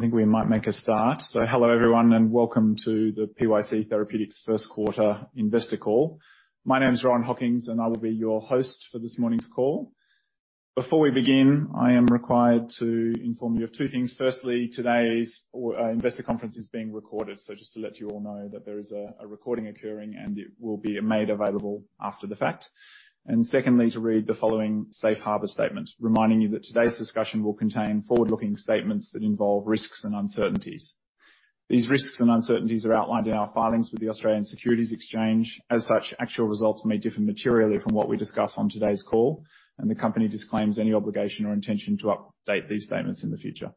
I think we might make a start. Hello everyone, and welcome to the PYC Therapeutics first quarter investor call. My name is Rohan Hockings, and I will be your host for this morning's call. Before we begin, I am required to inform you of two things. Firstly, today's or investor conference is being recorded. Just to let you all know that there is a recording occurring and it will be made available after the fact. Secondly, to read the following safe harbor statement, reminding you that today's discussion will contain forward-looking statements that involve risks and uncertainties. These risks and uncertainties are outlined in our filings with the Australian Securities Exchange. As such, actual results may differ materially from what we discuss on today's call, and the company disclaims any obligation or intention to update these statements in the future.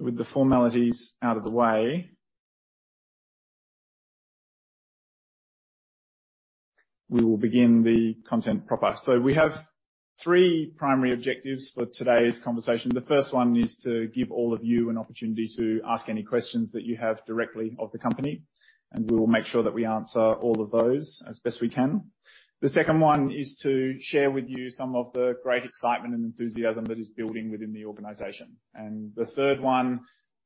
With the formalities out of the way, we will begin the content proper. We have three primary objectives for today's conversation. The first one is to give all of you an opportunity to ask any questions that you have directly of the company, and we will make sure that we answer all of those as best we can. The second one is to share with you some of the great excitement and enthusiasm that is building within the organization. The third one,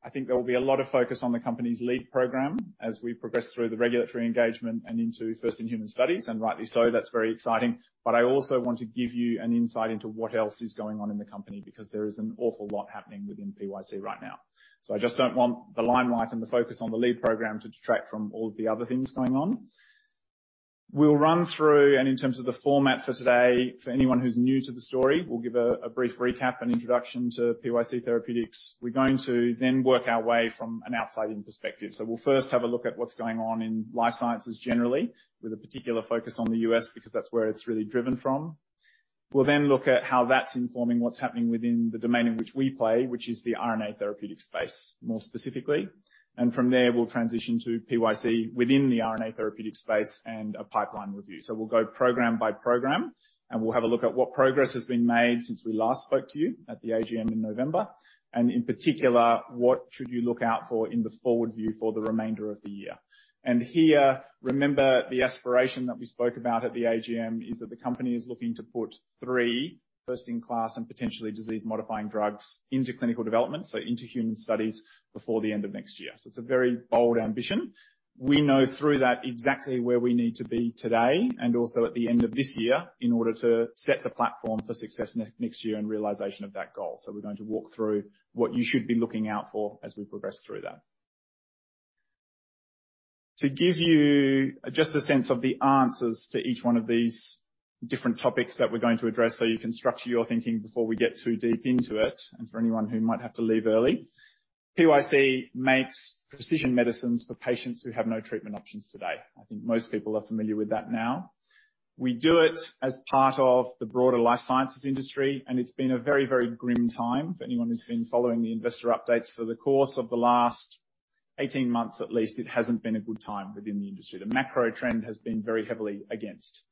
I think there will be a lot of focus on the company's lead program as we progress through the regulatory engagement and into first-in-human studies, and rightly so. That's very exciting. I also want to give you an insight into what else is going on in the company because there is an awful lot happening within PYC right now. I just don't want the limelight and the focus on the lead program to detract from all of the other things going on. We'll run through, in terms of the format for today, for anyone who's new to the story, we'll give a brief recap and introduction to PYC Therapeutics. We're going to then work our way from an outside-in perspective. We'll first have a look at what's going on in life sciences generally, with a particular focus on the U.S., because that's where it's really driven from. We'll then look at how that's informing what's happening within the domain in which we play, which is the RNA therapeutic space, more specifically. From there, we'll transition to PYC within the RNA therapeutic space and a pipeline review. We'll go program by program, and we'll have a look at what progress has been made since we last spoke to you at the AGM in November. In particular, what should you look out for in the forward view for the remainder of the year. Here, remember the aspiration that we spoke about at the AGM is that the company is looking to put three first-in-class and potentially disease-modifying drugs into clinical development, so into human studies before the end of next year. It's a very bold ambition. We know through that exactly where we need to be today and also at the end of this year in order to set the platform for success next year and realization of that goal. We're going to walk through what you should be looking out for as we progress through that. To give you just a sense of the answers to each one of these different topics that we're going to address, so you can structure your thinking before we get too deep into it, and for anyone who might have to leave early. PYC makes precision medicines for patients who have no treatment options today. I think most people are familiar with that now. We do it as part of the broader life sciences industry, and it's been a very, very grim time for anyone who's been following the investor updates for the course of the last 18 months, at least. It hasn't been a good time within the industry. The macro trend has been very heavily against.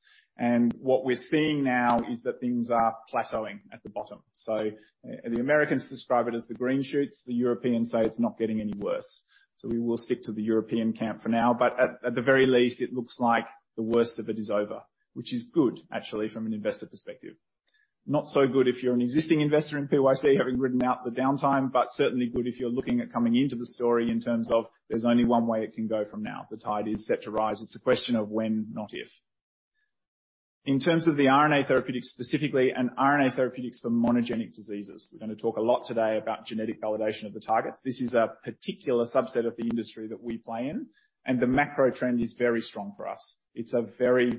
What we're seeing now is that things are plateauing at the bottom. The Americans describe it as the green shoots. The Europeans say it's not getting any worse. We will stick to the European camp for now. At the very least, it looks like the worst of it is over, which is good actually from an investor perspective. Not so good if you're an existing investor in PYC, having ridden out the downtime, but certainly good if you're looking at coming into the story in terms of there's only one way it can go from now. The tide is set to rise. It's a question of when, not if. In terms of the RNA therapeutics specifically and RNA therapeutics for monogenic diseases, we're gonna talk a lot today about genetic validation of the targets. This is a particular subset of the industry that we play in, and the macro trend is very strong for us. It's a very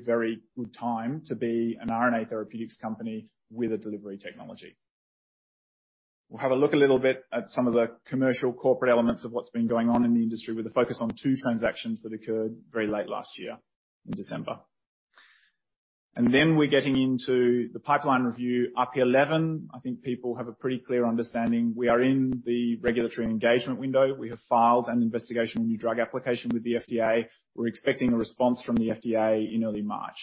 good time to be an RNA therapeutics company with a delivery technology. We'll have a look a little bit at some of the commercial corporate elements of what's been going on in the industry with a focus on two transactions that occurred very late last year in December. We're getting into the pipeline review RP11. I think people have a pretty clear understanding. We are in the regulatory engagement window. We have filed an investigation New Drug application with the FDA. We're expecting a response from the FDA in early March.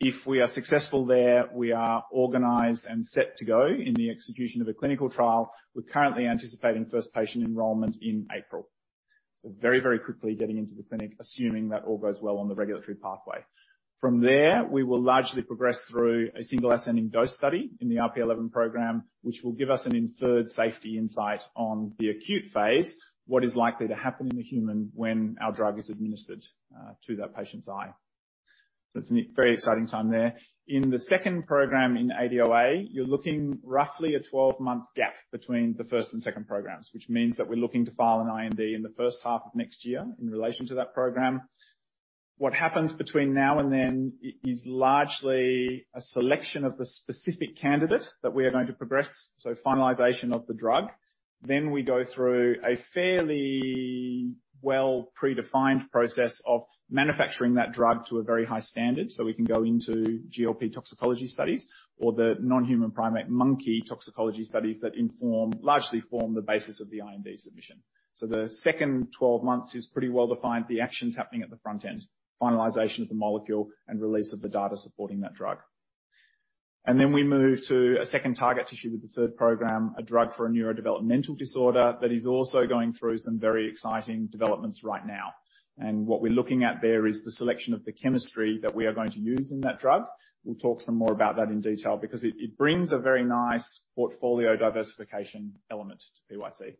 If we are successful there, we are organized and set to go in the execution of a clinical trial. We're currently anticipating first patient enrollment in April. Very, very quickly getting into the clinic, assuming that all goes well on the regulatory pathway. From there, we will largely progress through a single ascending dose study in the RP11 program, which will give us an inferred safety insight on the acute phase, what is likely to happen in the human when our drug is administered to that patient's eye. It's an very exciting time there. In the second program, in ADOA, you're looking roughly a 12-month gap between the first and second programs, which means that we're looking to file an IND in the first half of next year in relation to that program. What happens between now and then is largely a selection of the specific candidate that we are going to progress, so finalization of the drug. We go through a fairly well predefined process of manufacturing that drug to a very high standard, so we can go into GLP toxicology studies or the non-human primate monkey toxicology studies that inform, largely form the basis of the IND submission. The second 12 months is pretty well-defined. The action's happening at the front end, finalization of the molecule and release of the data supporting that drug. We move to a second target tissue with the third program, a drug for a neurodevelopmental disorder that is also going through some very exciting developments right now. What we're looking at there is the selection of the chemistry that we are going to use in that drug. We'll talk some more about that in detail because it brings a very nice portfolio diversification element to PYC.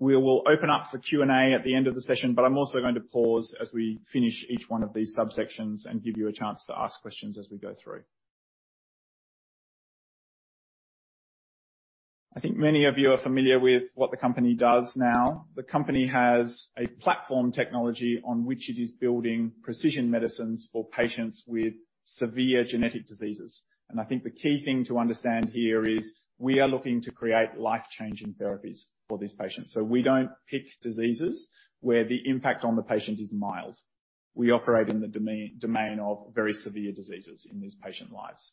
We will open up for Q&A at the end of the session. I'm also going to pause as we finish each one of these subsections and give you a chance to ask questions as we go through. I think many of you are familiar with what the company does now. The company has a platform technology on which it is building precision medicines for patients with severe genetic diseases. I think the key thing to understand here is we are looking to create life-changing therapies for these patients. We don't pick diseases where the impact on the patient is mild. We operate in the domain of very severe diseases in these patient lives.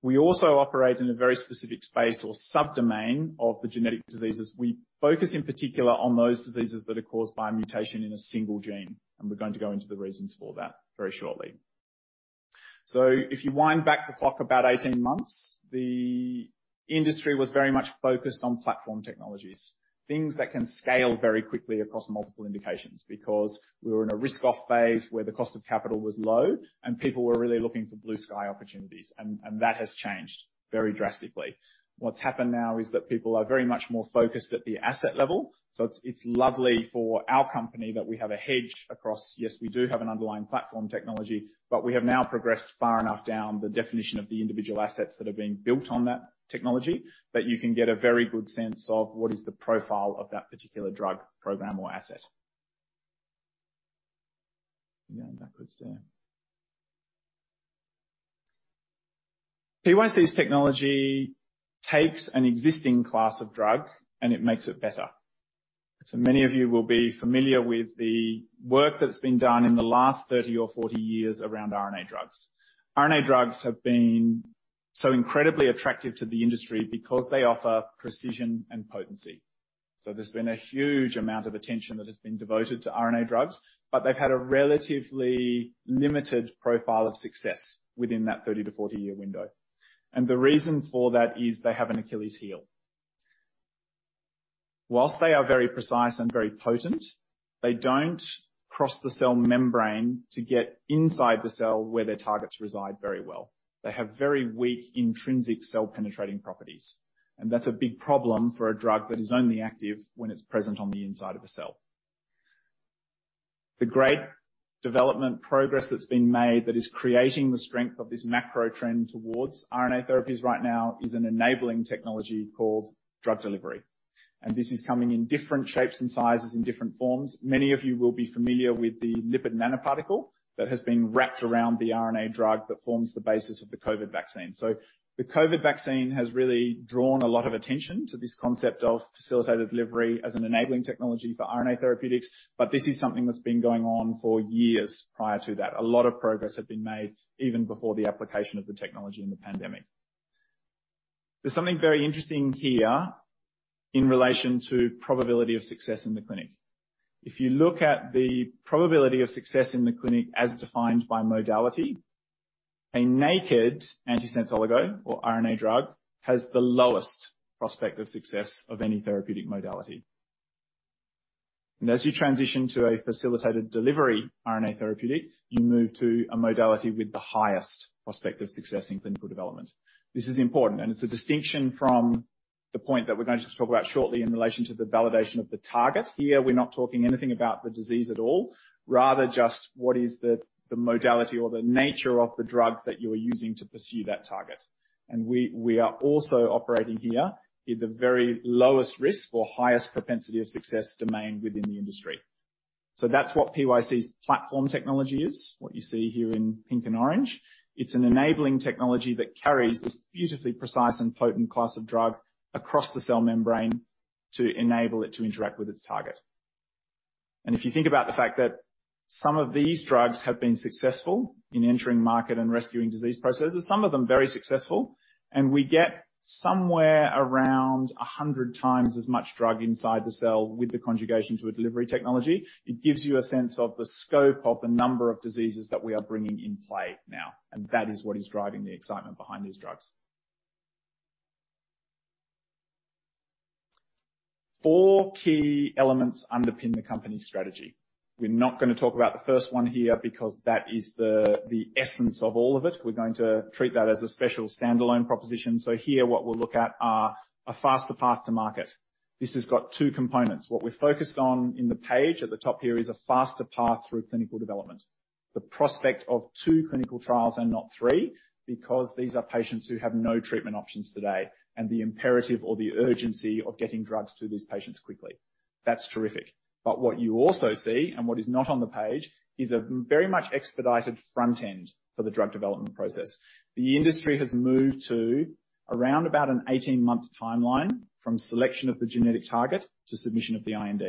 We also operate in a very specific space or subdomain of the genetic diseases. We focus in particular on those diseases that are caused by a mutation in a single gene. We're going to go into the reasons for that very shortly. If you wind back the clock about 18 months, the industry was very much focused on platform technologies, things that can scale very quickly across multiple indications because we were in a risk-off phase where the cost of capital was low and people were really looking for blue sky opportunities. That has changed very drastically. What's happened now is that people are very much more focused at the asset level, so it's lovely for our company that we have a hedge across. Yes, we do have an underlying platform technology, but we have now progressed far enough down the definition of the individual assets that are being built on that technology that you can get a very good sense of what is the profile of that particular drug, program, or asset. Going backwards there. PYC's technology takes an existing class of drug and it makes it better. Many of you will be familiar with the work that's been done in the last 30 or 40 years around RNA drugs. RNA drugs have been so incredibly attractive to the industry because they offer precision and potency. There's been a huge amount of attention that has been devoted to RNA drugs, but they've had a relatively limited profile of success within that 30-40-year window. The reason for that is they have an Achilles heel. Whilst they are very precise and very potent, they don't cross the cell membrane to get inside the cell where their targets reside very well. They have very weak intrinsic cell-penetrating properties, and that's a big problem for a drug that is only active when it's present on the inside of a cell. The great development progress that's been made that is creating the strength of this macro trend towards RNA therapies right now is an enabling technology called drug delivery. This is coming in different shapes and sizes, in different forms. Many of you will be familiar with the lipid nanoparticle that has been wrapped around the RNA drug that forms the basis of the COVID vaccine. The COVID vaccine has really drawn a lot of attention to this concept of facilitated delivery as an enabling technology for RNA therapeutics, but this is something that's been going on for years prior to that. A lot of progress had been made even before the application of the technology in the pandemic. There's something very interesting here in relation to probability of success in the clinic. If you look at the probability of success in the clinic as defined by modality, a naked antisense oligonucleotide or RNA drug has the lowest prospect of success of any therapeutic modality. As you transition to a facilitated delivery RNA therapeutic, you move to a modality with the highest prospect of success in clinical development. This is important, and it's a distinction from the point that we're going to talk about shortly in relation to the validation of the target. Here, we're not talking anything about the disease at all, rather just what is the modality or the nature of the drug that you're using to pursue that target. We are also operating here in the very lowest risk or highest propensity of success domain within the industry. That's what PYC's platform technology is, what you see here in pink and orange. It's an enabling technology that carries this beautifully precise and potent class of drug across the cell membrane to enable it to interact with its target. If you think about the fact that some of these drugs have been successful in entering market and rescuing disease processes, some of them very successful, and we get somewhere around 100 times as much drug inside the cell with the conjugation to a delivery technology. It gives you a sense of the scope of the number of diseases that we are bringing in play now. That is what is driving the excitement behind these drugs. Four key elements underpin the company's strategy. We're not going to talk about the first one here because that is the essence of all of it. We're going to treat that as a special standalone proposition. Here what we'll look at are a faster path to market. This has got two components. What we're focused on in the page at the top here is a faster path through clinical development. The prospect of two clinical trials and not three, because these are patients who have no treatment options today. The imperative or the urgency of getting drugs to these patients quickly. That's terrific. What you also see, and what is not on the page, is a very much expedited front end for the drug development process. The industry has moved to around about an 18-month timeline from selection of the genetic target to submission of the IND.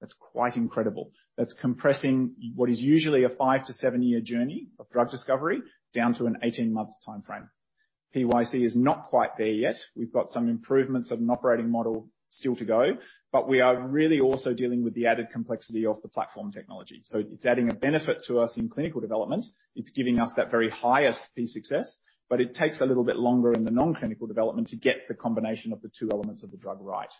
That's quite incredible. That's compressing what is usually a five to seven-year journey of drug discovery down to an 18-month timeframe. PYC is not quite there yet. We've got some improvements of an operating model still to go, but we are really also dealing with the added complexity of the platform technology. It's adding a benefit to us in clinical development. It's giving us that very highest P-success, but it takes a little bit longer in the non-clinical development to get the combination of the two elements of the drug right.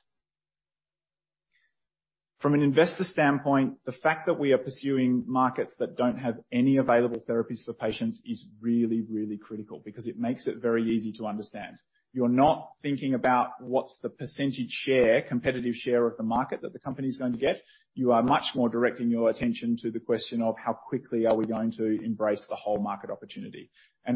From an investor standpoint, the fact that we are pursuing markets that don't have any available therapies for patients is really, really critical because it makes it very easy to understand. You're not thinking about what's the percentage share, competitive share of the market that the company is going to get. You are much more directing your attention to the question of how quickly are we going to embrace the whole market opportunity.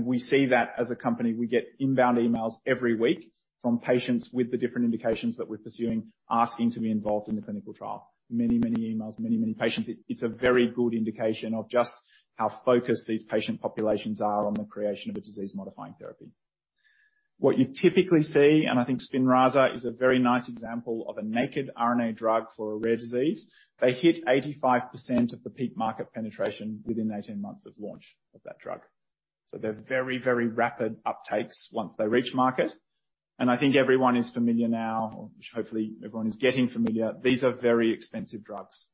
We see that as a company. We get inbound emails every week from patients with the different indications that we're pursuing, asking to be involved in the clinical trial. Many, many emails, many, many patients. It's a very good indication of just how focused these patient populations are on the creation of a disease-modifying therapy. What you typically see, I think Spinraza is a very nice example of a naked RNA drug for a rare disease. They hit 85% of the peak market penetration within 18 months of launch of that drug. So they're very rapid uptakes once they reach market. I think everyone is familiar now, or hopefully everyone is getting familiar, these are very expensive drugs.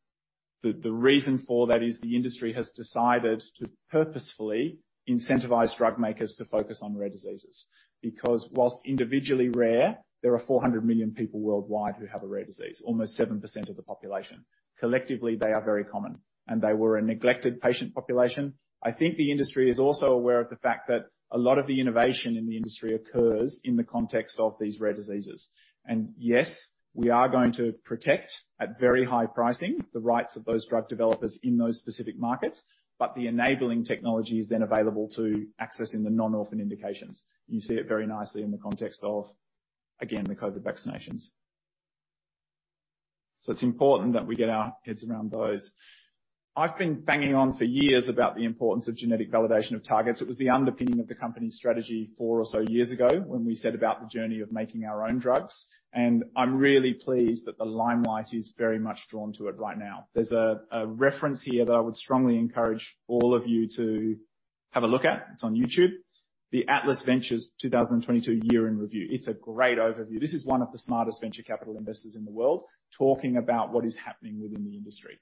The reason for that is the industry has decided to purposefully incentivize drug makers to focus on rare diseases, because whilst individually rare, there are 400 million people worldwide who have a rare disease, almost 7% of the population. Collectively, they are very common, and they were a neglected patient population. I think the industry is also aware of the fact that a lot of the innovation in the industry occurs in the context of these rare diseases. Yes, we are going to protect at very high pricing the rights of those drug developers in those specific markets, but the enabling technology is then available to access in the non-orphan indications. You see it very nicely in the context of, again, the COVID vaccinations. It's important that we get our heads around those. I've been banging on for years about the importance of genetic validation of targets. It was the underpinning of the company's strategy four or so years ago when we set about the journey of making our own drugs. I'm really pleased that the limelight is very much drawn to it right now. There's a reference here that I would strongly encourage all of you to have a look at. It's on YouTube, the Atlas Ventures 2022 Year in Review. It's a great overview. This is one of the smartest venture capital investors in the world talking about what is happening within the industry.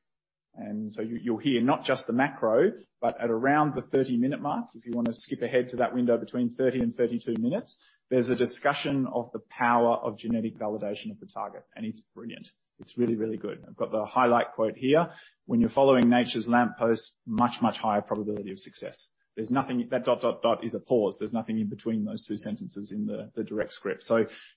You'll hear not just the macro, but at around the 30-minute mark, if you want to skip ahead to that window between 30 and 32 minutes, there's a discussion of the power of genetic validation of the targets, and it's brilliant. It's really, really good. I've got the highlight quote here. When you're following nature's lamppost, much, much higher probability of success. There's nothing... There's nothing in between those two sentences in the direct script.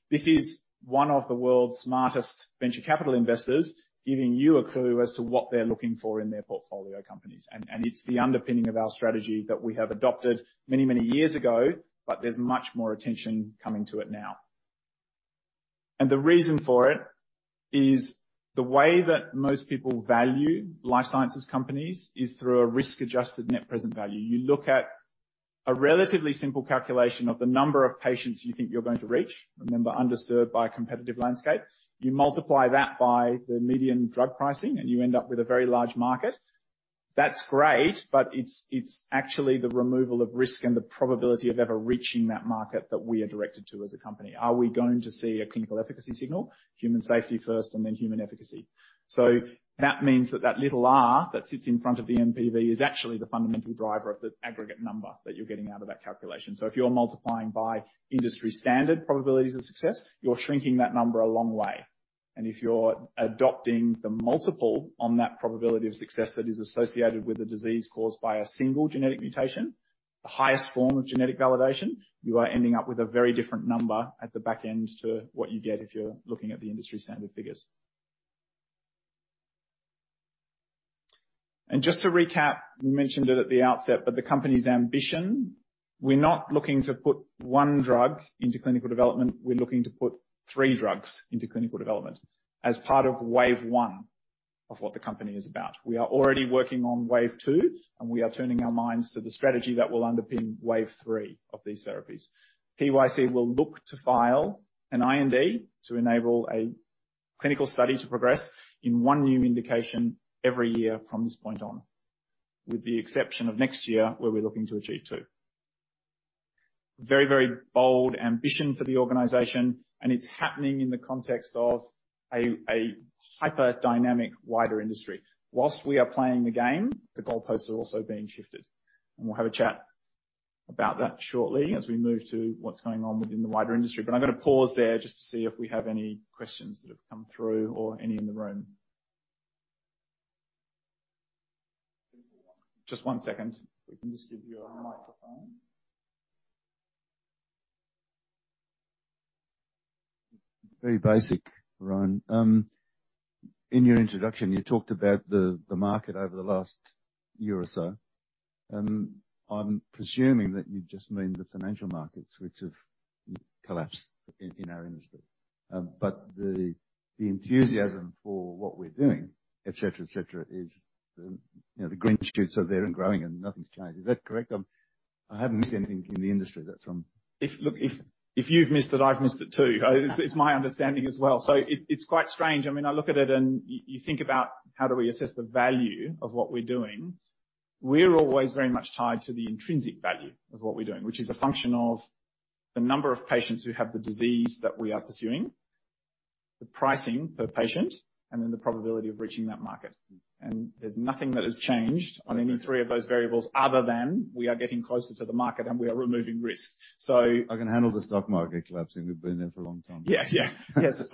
This is one of the world's smartest venture capital investors giving you a clue as to what they're looking for in their portfolio companies. It's the underpinning of our strategy that we have adopted many, many years ago, but there's much more attention coming to it now. The reason for it is the way that most people value life sciences companies is through a risk-adjusted net present value. You look at a relatively simple calculation of the number of patients you think you're going to reach. Remember, undisturbed by a competitive landscape. You multiply that by the median drug pricing and you end up with a very large market. That's great, but it's actually the removal of risk and the probability of ever reaching that market that we are directed to as a company. Are we going to see a clinical efficacy signal? Human safety first and then human efficacy. That means that that little r that sits in front of the NPV is actually the fundamental driver of the aggregate number that you're getting out of that calculation. If you're multiplying by industry-standard probabilities of success, you're shrinking that number a long way. If you're adopting the multiple on that probability of success that is associated with a disease caused by a single genetic mutation, the highest form of genetic validation, you are ending up with a very different number at the back end to what you get if you're looking at the industry-standard figures. Just to recap, we mentioned it at the outset, but the company's ambition, we're not looking to put one drug into clinical development. We're looking to put three drugs into clinical development as part of wave one of what the company is about. We are already working on wave two. We are turning our minds to the strategy that will underpin wave three of these therapies. PYC will look to file an IND to enable a clinical study to progress in one new indication every year from this point on, with the exception of next year, where we're looking to achieve two. Very, very bold ambition for the organization, and it's happening in the context of a hyper-dynamic wider industry. Whilst we are playing the game, the goalposts are also being shifted. We'll have a chat about that shortly as we move to what's going on within the wider industry. I'm gonna pause there just to see if we have any questions that have come through or any in the room. Just one second. We can just give you a microphone. Very basic, Rohan. In your introduction, you talked about the market over the last year or so. I'm presuming that you just mean the financial markets which have collapsed in our industry. The enthusiasm for what we're doing, et cetera, et cetera, is, you know, the green shoots are there and growing and nothing's changed. Is that correct? I haven't missed anything in the industry. Look, if you've missed it, I've missed it too. It's my understanding as well. It's quite strange. I mean, I look at it and you think about how do we assess the value of what we're doing. We're always very much tied to the intrinsic value of what we're doing, which is a function of the number of patients who have the disease that we are pursuing. The pricing per patient, and then the probability of reaching that market. There's nothing that has changed on any three of those variables other than we are getting closer to the market, and we are removing risk. I can handle the stock market collapsing. We've been there for a long time. Yeah. Yeah. Yes. It's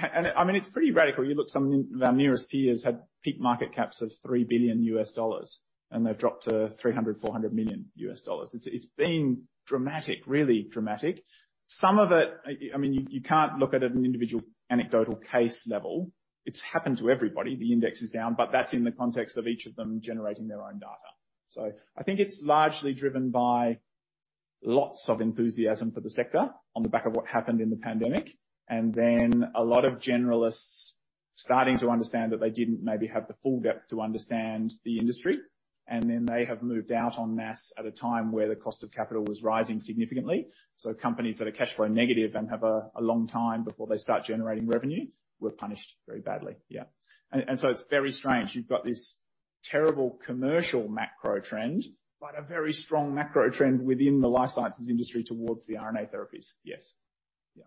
I mean, it's pretty radical. You look, some of our nearest peers had peak market caps of $3 billion U.S. dollars, and they've dropped to $300 million-$400 million U.S. dollars. It's been dramatic, really dramatic. Some of it, I mean, you can't look at it an individual anecdotal case level. It's happened to everybody. The index is down, but that's in the context of each of them generating their own data. I think it's largely driven by lots of enthusiasm for the sector on the back of what happened in the pandemic, and then a lot of generalists starting to understand that they didn't maybe have the full depth to understand the industry. They have moved out on mass at a time where the cost of capital was rising significantly. Companies that are cash flow negative and have a long time before they start generating revenue were punished very badly. Yeah. It's very strange. You've got this terrible commercial macro trend, but a very strong macro trend within the life sciences industry towards the RNA therapies. Yes. Yeah.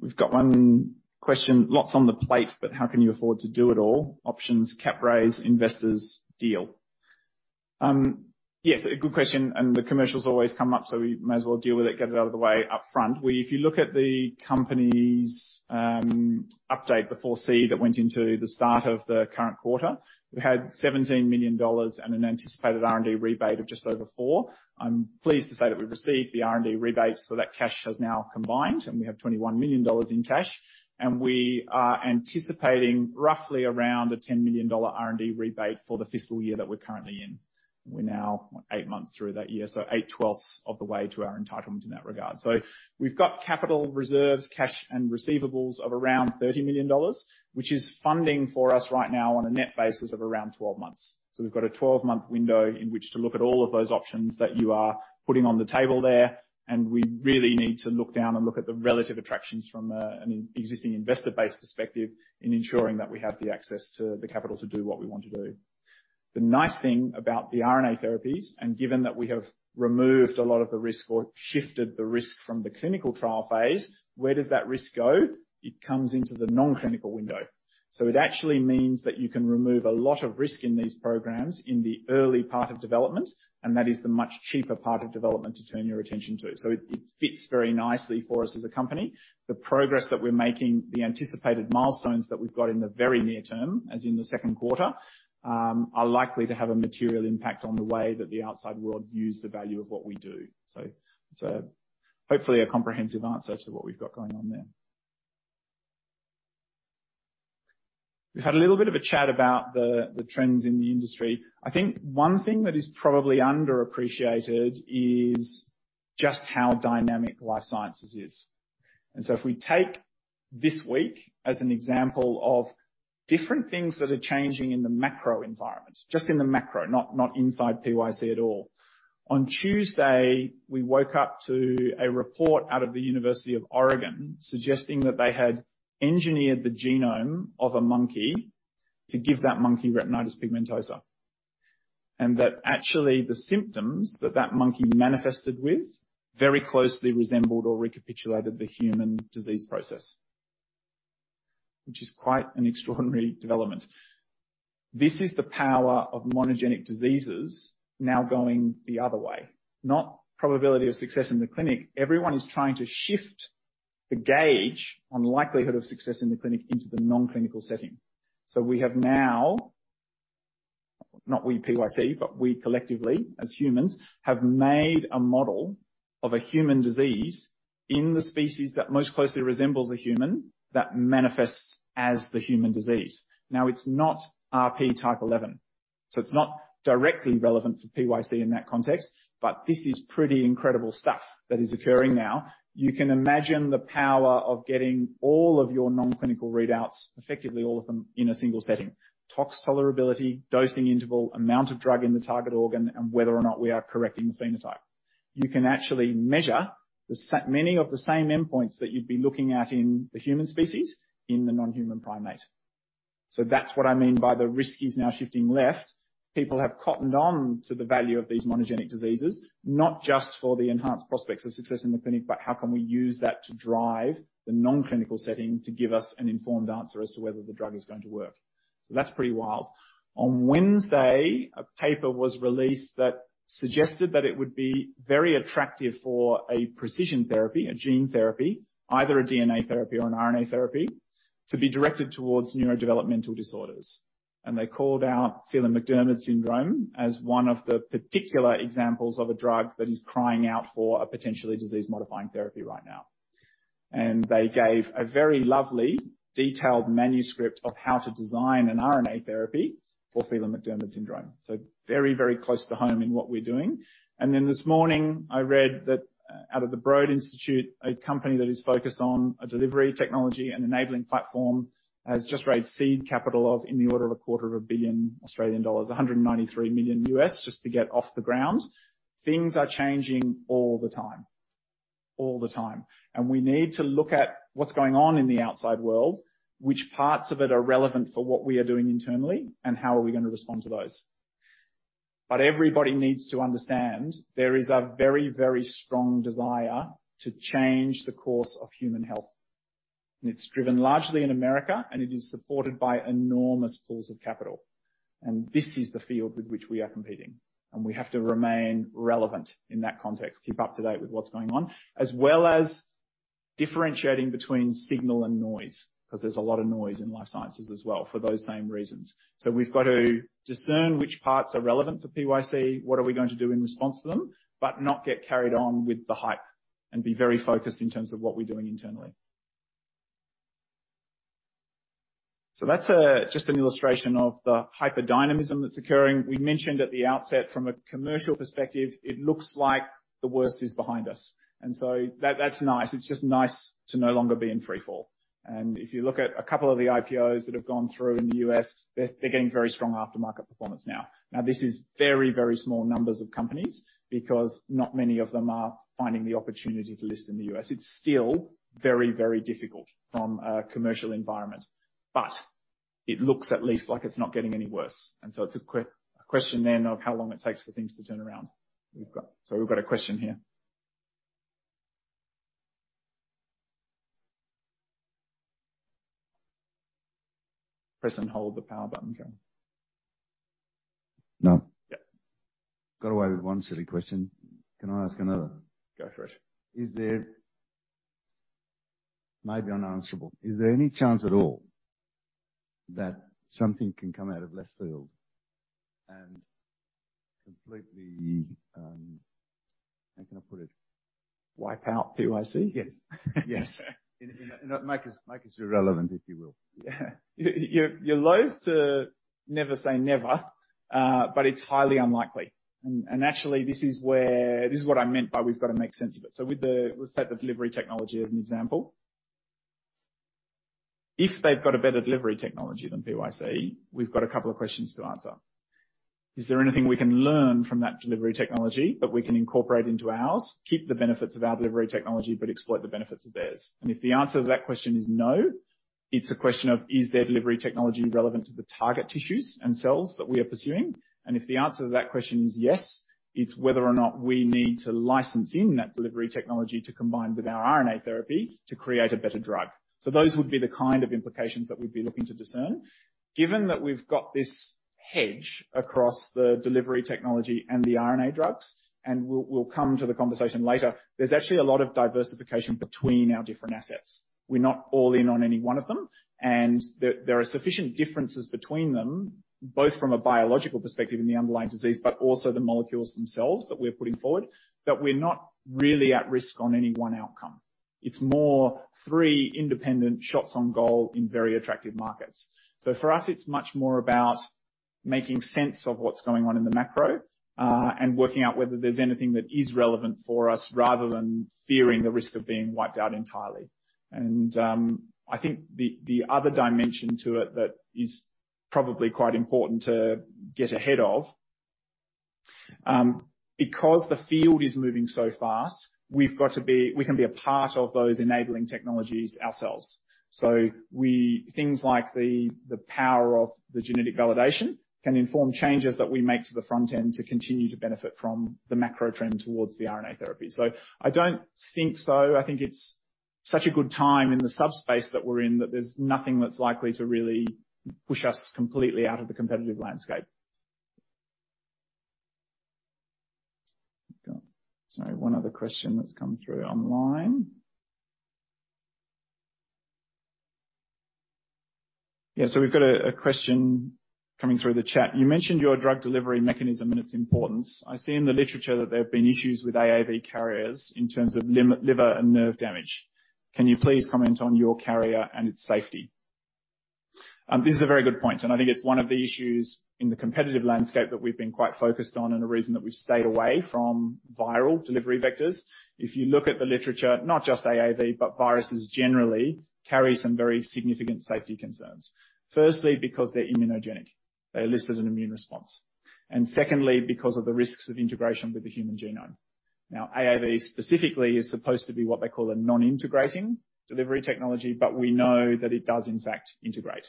We've got one question. Lots on the plate, but how can you afford to do it all? Options, cap raise, investors, deal. Yes, a good question. The commercials always come up, so we may as well deal with it, get it out of the way up front. If you look at the company's update before C that went into the start of the current quarter, we had 17 million dollars and an anticipated R&D rebate of just over 4 million. I'm pleased to say that we received the R&D rebate, so that cash has now combined, and we have 21 million dollars in cash. We are anticipating roughly around a 10 million dollar R&D rebate for the fiscal year that we're currently in. We're now eight months through that year, so eight twelfths of the way to our entitlement in that regard. We've got capital reserves, cash and receivables of around 30 million dollars, which is funding for us right now on a net basis of around 12 months. We've got a 12-month window in which to look at all of those options that you are putting on the table there, and we really need to look down and look at the relative attractions from an existing investor base perspective in ensuring that we have the access to the capital to do what we want to do. The nice thing about the RNA therapies, and given that we have removed a lot of the risk or shifted the risk from the clinical trial phase, where does that risk go? It comes into the non-clinical window. It actually means that you can remove a lot of risk in these programs in the early part of development, and that is the much cheaper part of development to turn your attention to. It fits very nicely for us as a company. The progress that we're making, the anticipated milestones that we've got in the very near term, as in the second quarter, are likely to have a material impact on the way that the outside world views the value of what we do. It's a hopefully a comprehensive answer to what we've got going on there. We've had a little bit of a chat about the trends in the industry. I think one thing that is probably underappreciated is just how dynamic life sciences is. If we take this week as an example of different things that are changing in the macro environment, just in the macro, not inside PYC at all. On Tuesday, we woke up to a report out of the University of Oregon suggesting that they had engineered the genome of a monkey to give that monkey retinitis pigmentosa. That actually the symptoms that monkey manifested with very closely resembled or recapitulated the human disease process, which is quite an extraordinary development. This is the power of monogenic diseases now going the other way, not probability of success in the clinic. Everyone is trying to shift the gauge on likelihood of success in the clinic into the non-clinical setting. We have now, not we PYC, but we collectively as humans, have made a model of a human disease in the species that most closely resembles a human that manifests as the human disease. It's not RP11, so it's not directly relevant for PYC in that context, but this is pretty incredible stuff that is occurring now. You can imagine the power of getting all of your non-clinical readouts, effectively all of them, in a single setting. Tox tolerability, dosing interval, amount of drug in the target organ, and whether or not we are correcting the phenotype. You can actually measure many of the same endpoints that you'd be looking at in the human species, in the non-human primate. That's what I mean by the risk is now shifting left. People have cottoned on to the value of these monogenic diseases, not just for the enhanced prospects of success in the clinic, but how can we use that to drive the non-clinical setting to give us an informed answer as to whether the drug is going to work. That's pretty wild. On Wednesday, a paper was released that suggested that it would be very attractive for a precision therapy, a gene therapy, either a DNA therapy or an RNA therapy, to be directed towards neurodevelopmental disorders. They called out Phelan-McDermid Syndrome as one of the particular examples of a drug that is crying out for a potentially disease-modifying therapy right now. They gave a very lovely detailed manuscript of how to design an RNA therapy for Phelan-McDermid Syndrome. Very, very close to home in what we're doing. This morning, I read that out of the Broad Institute, a company that is focused on a delivery technology and enabling platform, has just raised seed capital of in the order of a quarter of a billion Australian dollars, $193 million, just to get off the ground. Things are changing all the time. We need to look at what's going on in the outside world, which parts of it are relevant for what we are doing internally, and how are we gonna respond to those. Everybody needs to understand there is a very, very strong desire to change the course of human health. It's driven largely in America, and it is supported by enormous pools of capital. This is the field with which we are competing, and we have to remain relevant in that context, keep up to date with what's going on, as well as differentiating between signal and noise, 'cause there's a lot of noise in life sciences as well for those same reasons. We've got to discern which parts are relevant for PYC, what are we going to do in response to them, but not get carried on with the hype and be very focused in terms of what we're doing internally. That's just an illustration of the hyperdynamism that's occurring. We mentioned at the outset from a commercial perspective, it looks like the worst is behind us, that's nice. It's just nice to no longer be in free fall. If you look at a couple of the IPOs that have gone through in the U.S, they're getting very strong after market performance now. This is very, very small numbers of companies because not many of them are finding the opportunity to list in the U.S. It's still very, very difficult from a commercial environment, but it looks at least like it's not getting any worse. It's a question then of how long it takes for things to turn around. We've got a question here. Press and hold the power button, Joe. No. Yeah. Got away with one silly question. Can I ask another? Go for it. Maybe unanswerable. Is there any chance at all that something can come out of left field and completely, how can I put it? Wipe out PYC? Yes. Yes. make us irrelevant, if you will. Yeah. You're, you're loathe to never say never, but it's highly unlikely. Actually this is where. This is what I meant by we've got to make sense of it. With the, let's take the delivery technology as an example. If they've got a better delivery technology than PYC, we've got a couple of questions to answer. Is there anything we can learn from that delivery technology that we can incorporate into ours? Keep the benefits of our delivery technology, but exploit the benefits of theirs. If the answer to that question is no, it's a question of, is their delivery technology relevant to the target tissues and cells that we are pursuing? If the answer to that question is yes, it's whether or not we need to license in that delivery technology to combine with our RNA therapy to create a better drug. Those would be the kind of implications that we'd be looking to discern. Given that we've got this hedge across the delivery technology and the RNA drugs, and we'll come to the conversation later, there's actually a lot of diversification between our different assets. We're not all in on any one of them, and there are sufficient differences between them, both from a biological perspective in the underlying disease, but also the molecules themselves that we're putting forward, that we're not really at risk on any one outcome. It's more three independent shots on goal in very attractive markets. For us, it's much more about making sense of what's going on in the macro and working out whether there's anything that is relevant for us rather than fearing the risk of being wiped out entirely. I think the other dimension to it that is probably quite important to get ahead of, because the field is moving so fast, we can be a part of those enabling technologies ourselves. Things like the power of the genetic validation can inform changes that we make to the front end to continue to benefit from the macro trend towards the RNA therapy. I don't think so. I think it's such a good time in the subspace that we're in that there's nothing that's likely to really push us completely out of the competitive landscape. We've got, sorry, one other question that's come through online. Yeah. We've got a question coming through the chat. You mentioned your drug delivery mechanism and its importance. I see in the literature that there have been issues with AAV carriers in terms of liver and nerve damage. Can you please comment on your carrier and its safety? This is a very good point, I think it's one of the issues in the competitive landscape that we've been quite focused on and the reason that we've stayed away from viral delivery vectors. If you look at the literature, not just AAV, viruses generally carry some very significant safety concerns. Firstly, because they're immunogenic. They elicit an immune response. Secondly, because of the risks of integration with the human genome. Now, AAV specifically is supposed to be what they call a non-integrating delivery technology, we know that it does in fact integrate.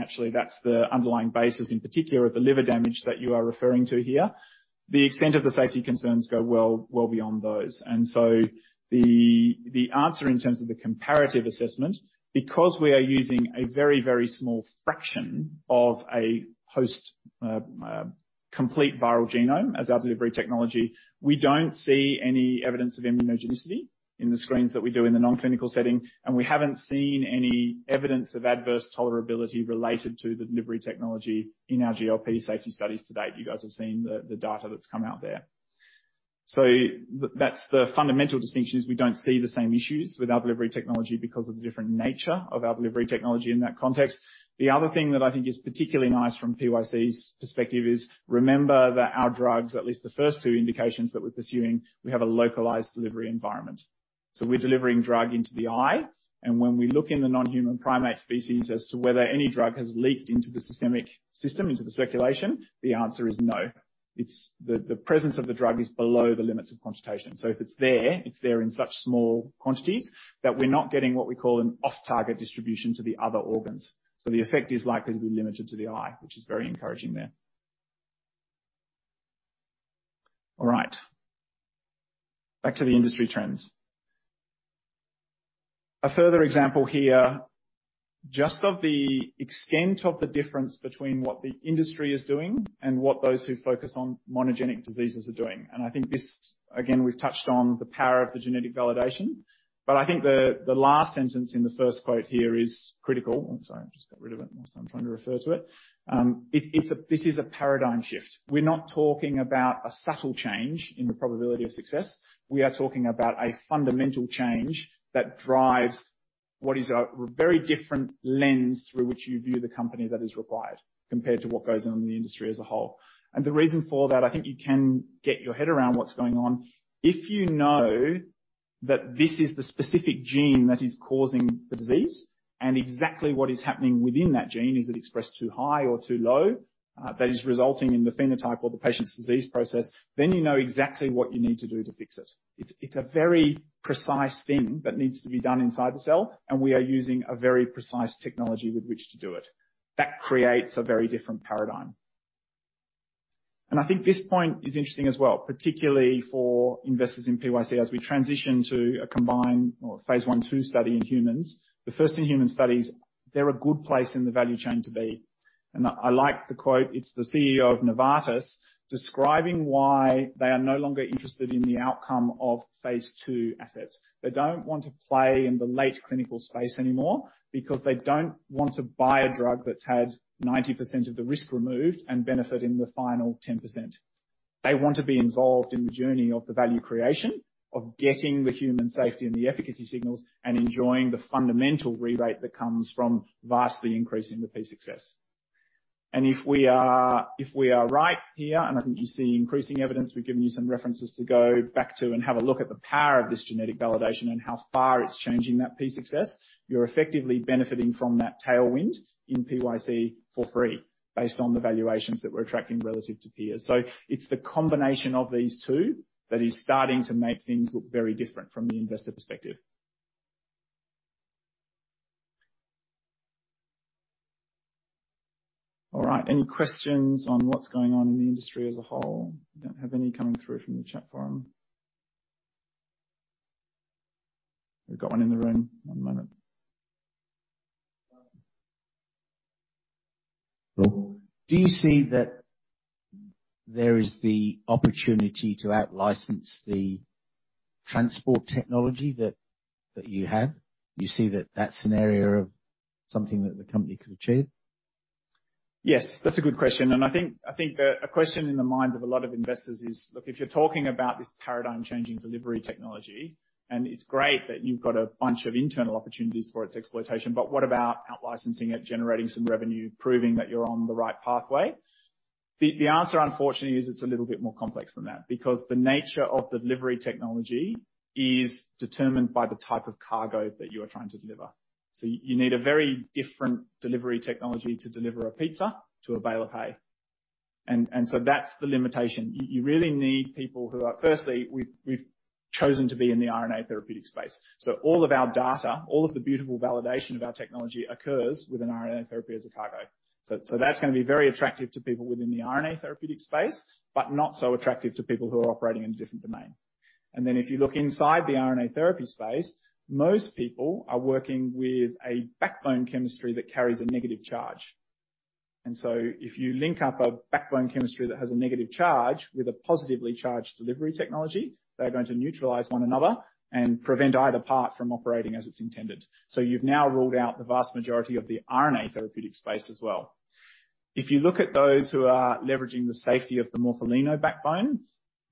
Actually that's the underlying basis, in particular of the liver damage that you are referring to here. The extent of the safety concerns go well beyond those. The answer in terms of the comparative assessment, because we are using a very small fraction of a post complete viral genome as our delivery technology, we don't see any evidence of immunogenicity in the screens that we do in the non-clinical setting, and we haven't seen any evidence of adverse tolerability related to the delivery technology in our GLP safety studies to date. You guys have seen the data that's come out there. That's the fundamental distinction, is we don't see the same issues with our delivery technology because of the different nature of our delivery technology in that context. The other thing that I think is particularly nice from PYC's perspective is remember that our drugs, at least the first two indications that we're pursuing, we have a localized delivery environment. We're delivering drug into the eye, and when we look in the non-human primate species as to whether any drug has leaked into the systemic system, into the circulation, the answer is no. The presence of the drug is below the limits of quantitation. If it's there, it's there in such small quantities that we're not getting what we call an off-target distribution to the other organs. The effect is likely to be limited to the eye, which is very encouraging there. All right, back to the industry trends. A further example here, just of the extent of the difference between what the industry is doing and what those who focus on monogenic diseases are doing. I think this, again, we've touched on the power of the genetic validation, but I think the last sentence in the first quote here is critical. I'm sorry, I just got rid of it whilst I'm trying to refer to it. This is a paradigm shift. We're not talking about a subtle change in the probability of success. We are talking about a fundamental change that drives what is a very different lens through which you view the company that is required compared to what goes on in the industry as a whole. The reason for that, I think you can get your head around what's going on. If you know that this is the specific gene that is causing the disease and exactly what is happening within that gene, is it expressed too high or too low, that is resulting in the phenotype or the patient's disease process, then you know exactly what you need to do to fix it. It's a very precise thing that needs to be done inside the cell, and we are using a very precise technology with which to do it. That creates a very different paradigm. I think this point is interesting as well, particularly for investors in PYC as we transition to a combined or Phase I/II study in humans. The first in human studies, they're a good place in the value chain to be. I like the quote, it's the CEO of Novartis describing why they are no longer interested in the outcome of phase II assets. They don't want to play in the late clinical space anymore because they don't want to buy a drug that's had 90% of the risk removed and benefit in the final 10%. They want to be involved in the journey of the value creation, of getting the human safety and the efficacy signals, and enjoying the fundamental rebate that comes from vastly increasing the P-success. If we are right here, and I think you see increasing evidence, we've given you some references to go back to and have a look at the power of this genetic validation and how far it's changing that P-success. You're effectively benefiting from that tailwind in PYC for free based on the valuations that we're attracting relative to peers. It's the combination of these two that is starting to make things look very different from the investor perspective. Any questions on what's going on in the industry as a whole? I don't have any coming through from the chat forum. We've got one in the room. One moment. Do you see that there is the opportunity to out-license the transport technology that you have? You see that that's an area of something that the company could achieve? Yes, that's a good question. I think that a question in the minds of a lot of investors is, look, if you're talking about this paradigm-changing delivery technology, and it's great that you've got a bunch of internal opportunities for its exploitation, but what about out-licensing it, generating some revenue, proving that you're on the right pathway? The answer, unfortunately, is it's a little bit more complex than that because the nature of delivery technology is determined by the type of cargo that you are trying to deliver. You need a very different delivery technology to deliver a pizza to a bale of hay. That's the limitation. You really need people who are... Firstly, we've chosen to be in the RNA therapeutic space. All of our data, all of the beautiful validation of our technology occurs with an RNA therapy as a cargo. That's gonna be very attractive to people within the RNA therapeutic space, but not so attractive to people who are operating in a different domain. If you look inside the RNA therapy space, most people are working with a backbone chemistry that carries a negative charge. If you link up a backbone chemistry that has a negative charge with a positively charged delivery technology, they're going to neutralize one another and prevent either part from operating as it's intended. You've now ruled out the vast majority of the RNA therapeutic space as well. If you look at those who are leveraging the safety of the Morpholino backbone,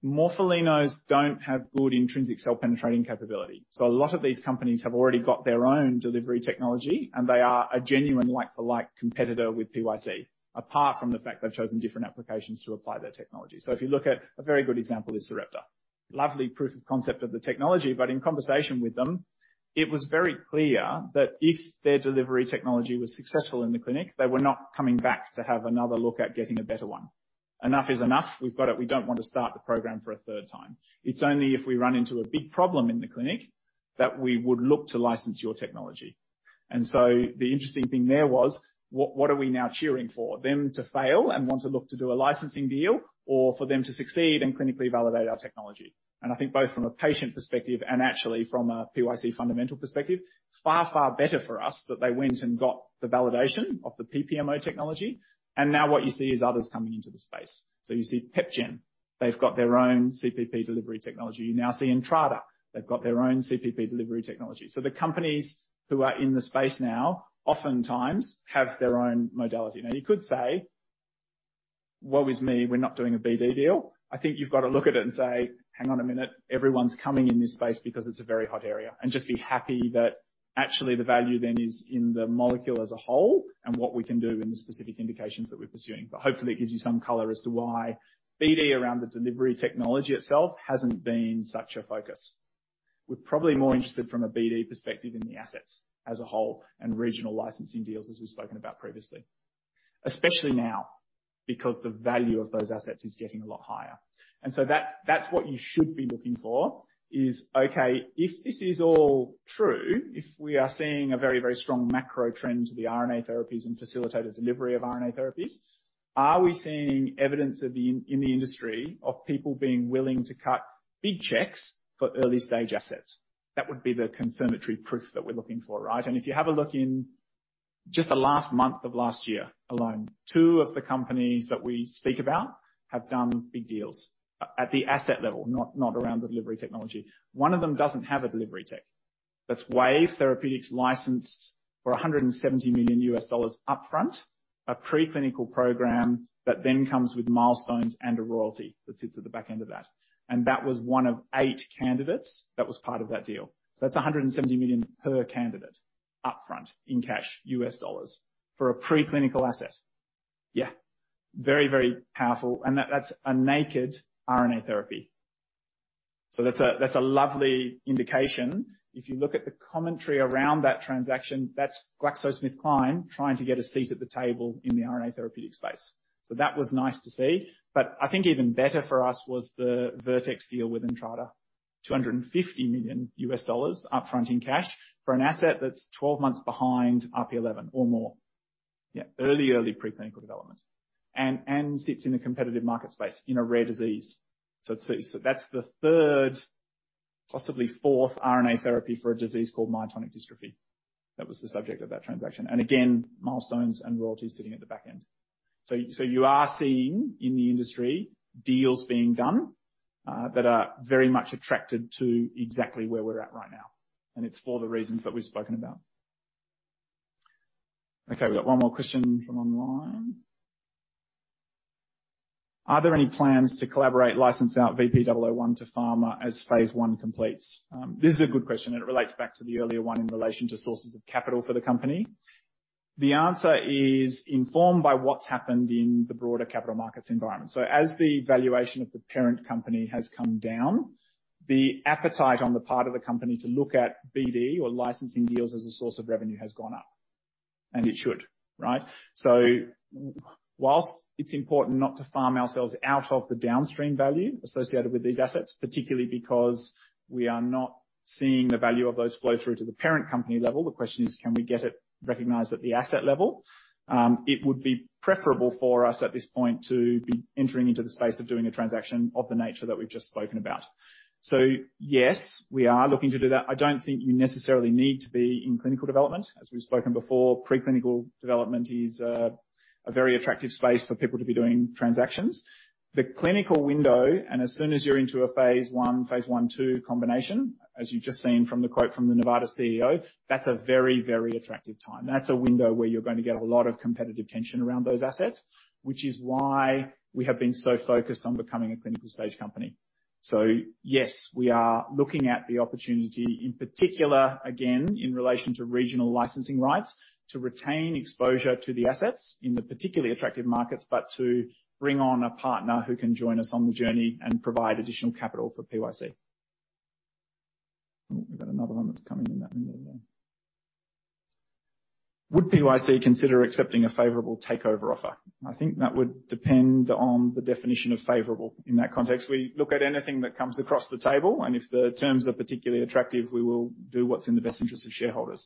Morpholinos don't have good intrinsic cell-penetrating capability. A lot of these companies have already got their own delivery technology, and they are a genuine like-for-like competitor with PYC, apart from the fact they've chosen different applications to apply their technology. If you look at a very good example is Sarepta. Lovely proof of concept of the technology, in conversation with them, it was very clear that if their delivery technology was successful in the clinic, they were not coming back to have another look at getting a better one. Enough is enough. We've got it. We don't want to start the program for a third time. It's only if we run into a big problem in the clinic that we would look to license your technology. The interesting thing there was, what are we now cheering for? Them to fail and want to look to do a licensing deal or for them to succeed and clinically validate our technology? I think both from a patient perspective and actually from a PYC fundamental perspective, far, far better for us that they went and got the validation of the PPMO technology, and now what you see is others coming into the space. You see PepGen, they've got their own CPP delivery technology. You now see Entrada, they've got their own CPP delivery technology. The companies who are in the space now oftentimes have their own modality. Now, you could say, "Woe is me, we're not doing a BD deal." I think you've got to look at it and say, "Hang on a minute. Everyone's coming in this space because it's a very hot area." Just be happy that actually the value then is in the molecule as a whole and what we can do in the specific indications that we're pursuing. Hopefully, it gives you some color as to why BD around the delivery technology itself hasn't been such a focus. We're probably more interested from a BD perspective in the assets as a whole and regional licensing deals, as we've spoken about previously, especially now, because the value of those assets is getting a lot higher. That's what you should be looking for is, okay, if this is all true, if we are seeing a very, very strong macro trend to the RNA therapies and facilitated delivery of RNA therapies. Are we seeing evidence in the industry of people being willing to cut big checks for early-stage assets? That would be the confirmatory proof that we're looking for, right? If you have a look in just the last month of last year alone, two of the companies that we speak about have done big deals at the asset level, not around the delivery technology. One of them doesn't have a delivery tech. That's Wave Life Sciences licensed for $170 million up front, a preclinical program that then comes with milestones and a royalty that sits at the back end of that. That was one of eight candidates that was part of that deal. That's $170 million per candidate up front in cash, U.S dollars for a preclinical asset. Yeah, very, very powerful. That's a naked RNA therapy. That's a lovely indication. If you look at the commentary around that transaction, that's GlaxoSmithKline trying to get a seat at the table in the RNA therapeutic space. That was nice to see. I think even better for us was the Vertex deal with Intra $250 million U.S dollars up front in cash for an asset that's 12 months behind RP11 or more. Yeah, early preclinical development. And sits in a competitive market space in a rare disease. Let's see. That's the third, possibly fourth RNA therapy for a disease called myotonic dystrophy. That was the subject of that transaction. Again, milestones and royalties sitting at the back end. You are seeing in the industry deals being done that are very much attracted to exactly where we're at right now, and it's for the reasons that we've spoken about. Okay, we've got one more question from online. Are there any plans to collaborate license out VP-001 to pharma as Phase I completes? This is a good question, and it relates back to the earlier one in relation to sources of capital for the company. The answer is informed by what's happened in the broader capital markets environment. As the valuation of the parent company has come down, the appetite on the part of the company to look at BD or licensing deals as a source of revenue has gone up. It should, right? Whilst it's important not to farm ourselves out of the downstream value associated with these assets, particularly because we are not seeing the value of those flow through to the parent company level, the question is can we get it recognized at the asset level? It would be preferable for us at this point to be entering into the space of doing a transaction of the nature that we've just spoken about. Yes, we are looking to do that. I don't think you necessarily need to be in clinical development. As we've spoken before, preclinical development is a very attractive space for people to be doing transactions. The clinical window, and as soon as you're into a Phase I, Phase I/II combination, as you've just seen from the quote from the Novartis CEO, that's a very, very attractive time. That's a window where you're going to get a lot of competitive tension around those assets, which is why we have been so focused on becoming a clinical stage company. Yes, we are looking at the opportunity, in particular, again, in relation to regional licensing rights, to retain exposure to the assets in the particularly attractive markets, but to bring on a partner who can join us on the journey and provide additional capital for PYC. We've got another one that's coming in that we need there. Would PYC consider accepting a favorable takeover offer? I think that would depend on the definition of favorable in that context. We look at anything that comes across the table. If the terms are particularly attractive, we will do what's in the best interest of shareholders.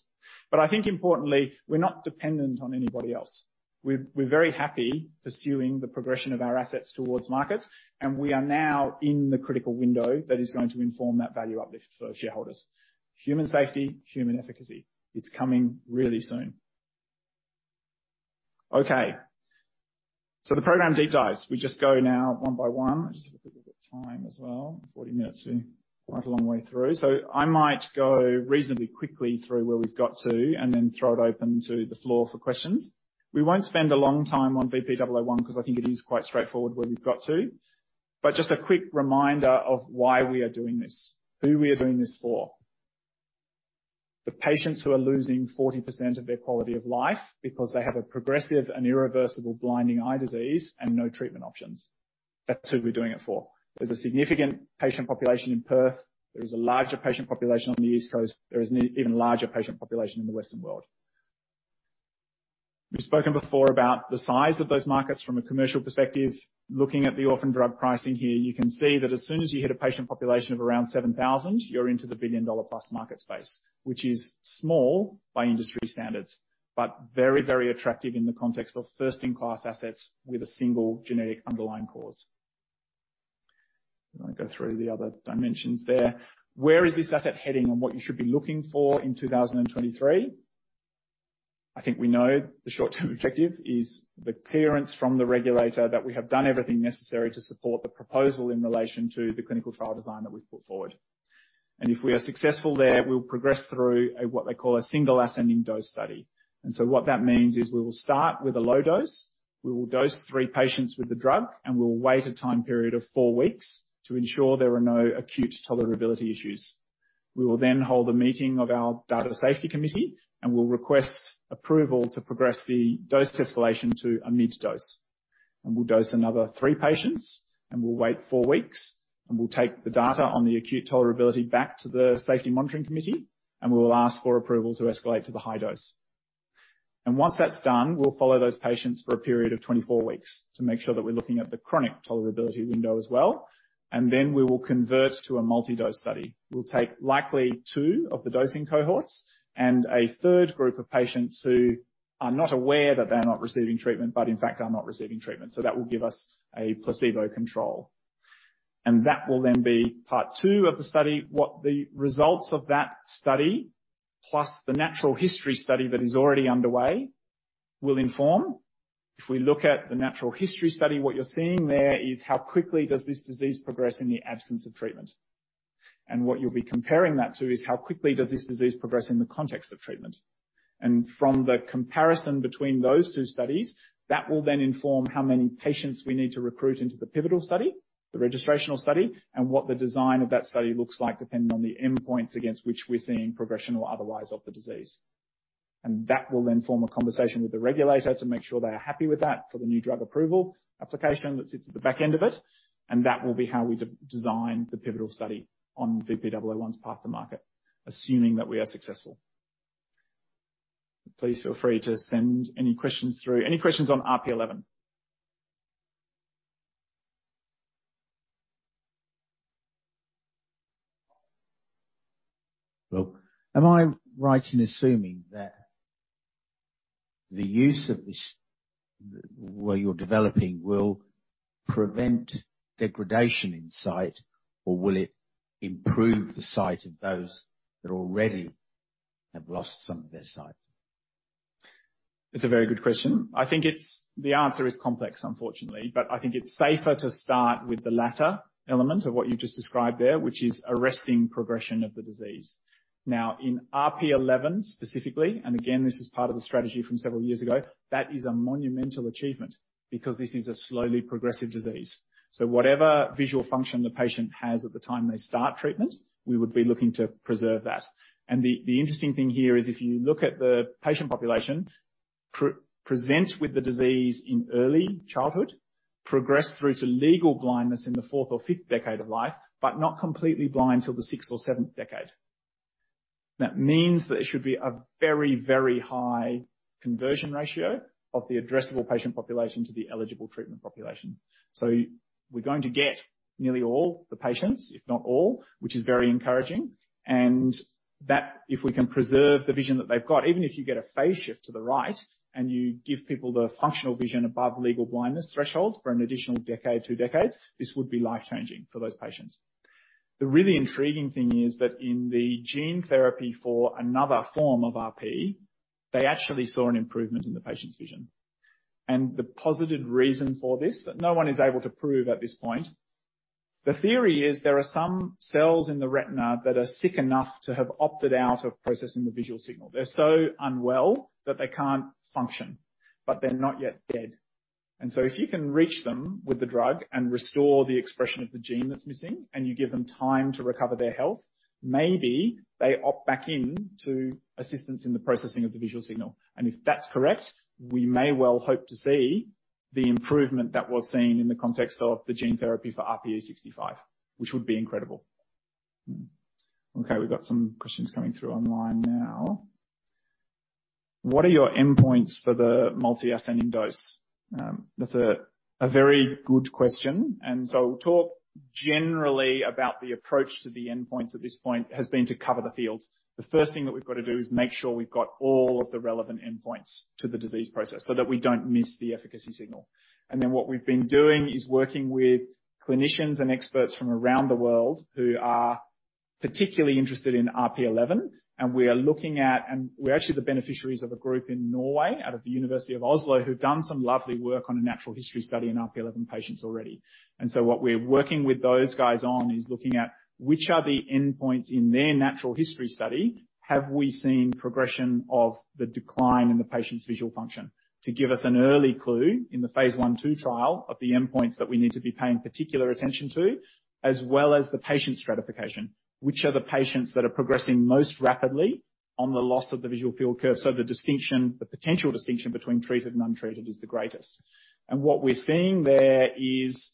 I think importantly, we're not dependent on anybody else. We're very happy pursuing the progression of our assets towards markets. We are now in the critical window that is going to inform that value uplift for shareholders. Human safety, human efficacy. It's coming really soon. Okay. The program deep dives. We just go now one by one. Just have a quick look at time as well. 40 minutes in. Quite a long way through. I might go reasonably quickly through where we've got to and then throw it open to the floor for questions. We won't spend a long time on VP-001 'cause I think it is quite straightforward where we've got to. Just a quick reminder of why we are doing this, who we are doing this for. The patients who are losing 40% of their quality of life because they have a progressive and irreversible blinding eye disease and no treatment options. That's who we're doing it for. There's a significant patient population in Perth. There is a larger patient population on the East Coast. There is an even larger patient population in the Western world. We've spoken before about the size of those markets from a commercial perspective. Looking at the orphan drug pricing here, you can see that as soon as you hit a patient population of around 7,000, you're into the billion-dollar-plus market space, which is small by industry standards, but very, very attractive in the context of first-in-class assets with a single genetic underlying cause. Let me go through the other dimensions there. Where is this asset heading and what you should be looking for in 2023? I think we know the short-term objective is the clearance from the regulator that we have done everything necessary to support the proposal in relation to the clinical trial design that we've put forward. If we are successful there, we'll progress through a, what they call a single ascending dose study. What that means is we will start with a low dose. We will dose 3 patients with the drug, and we'll wait a time period of four weeks to ensure there are no acute tolerability issues. We will then hold a meeting of our data safety committee, and we'll request approval to progress the dose escalation to a mid dose. We'll dose another three patients, and we'll wait four weeks, and we'll take the data on the acute tolerability back to the safety monitoring committee, and we will ask for approval to escalate to the high dose. Once that's done, we'll follow those patients for a period of 24 weeks to make sure that we're looking at the chronic tolerability window as well. Then we will convert to a multi-dose study. We'll take likely two of the dosing cohorts and a third group of patients who are not aware that they're not receiving treatment, but in fact are not receiving treatment. That will give us a placebo control. That will then be part two of the study. What the results of that study, plus the natural history study that is already underway, will inform. If we look at the natural history study, what you're seeing there is how quickly does this disease progress in the absence of treatment. What you'll be comparing that to is how quickly does this disease progress in the context of treatment. From the comparison between those two studies, that will then inform how many patients we need to recruit into the pivotal study, the registrational study, and what the design of that study looks like, depending on the endpoints against which we're seeing progression or otherwise of the disease. That will then form a conversation with the regulator to make sure they are happy with that for the new drug approval application that sits at the back end of it. That will be how we de-design the pivotal study on VP-001 path to market, assuming that we are successful. Please feel free to send any questions through. Any questions on RP11? Well, am I right in assuming that the use of this, where you're developing will prevent degradation in sight, or will it improve the sight of those that already have lost some of their sight? It's a very good question. I think the answer is complex, unfortunately, but I think it's safer to start with the latter element of what you just described there, which is arresting progression of the disease. In RP11, specifically, and again, this is part of the strategy from several years ago, that is a monumental achievement because this is a slowly progressive disease. Whatever visual function the patient has at the time they start treatment, we would be looking to preserve that. The interesting thing here is if you look at the patient population, pre-present with the disease in early childhood, progress through to legal blindness in the fourth or fifth decade of life, but not completely blind till the sixth or seventh decade. That means that it should be a very high conversion ratio of the addressable patient population to the eligible treatment population. We're going to get nearly all the patients, if not all, which is very encouraging, and that if we can preserve the vision that they've got, even if you get a phase shift to the right, and you give people the functional vision above legal blindness threshold for an additional decade, two decades, this would be life-changing for those patients. The really intriguing thing is that in the gene therapy for another form of RP, they actually saw an improvement in the patient's vision. The posited reason for this that no one is able to prove at this point, the theory is there are some cells in the retina that are sick enough to have opted out of processing the visual signal. They're so unwell that they can't function, but they're not yet dead. If you can reach them with the drug and restore the expression of the gene that's missing, and you give them time to recover their health, maybe they opt back in to assistance in the processing of the visual signal. If that's correct, we may well hope to see the improvement that was seen in the context of the gene therapy for RPE65, which would be incredible. Okay, we've got some questions coming through online now. What are your endpoints for the multi-ascending dose? That's a very good question. We'll talk generally about the approach to the endpoints at this point has been to cover the field. The first thing that we've got to do is make sure we've got all of the relevant endpoints to the disease process so that we don't miss the efficacy signal. Then what we've been doing is working with clinicians and experts from around the world who are particularly interested in RP11, and we are looking at... We're actually the beneficiaries of a group in Norway, out of the University of Oslo, who've done some lovely work on a natural history study in RP11 patients already. What we're working with those guys on is looking at which are the endpoints in their natural history study have we seen progression of the decline in the patient's visual function to give us an early clue in the Phase I, II trial of the endpoints that we need to be paying particular attention to, as well as the patient stratification, which are the patients that are progressing most rapidly on the loss of the visual field curve. The distinction, the potential distinction between treated and untreated is the greatest. What we're seeing there is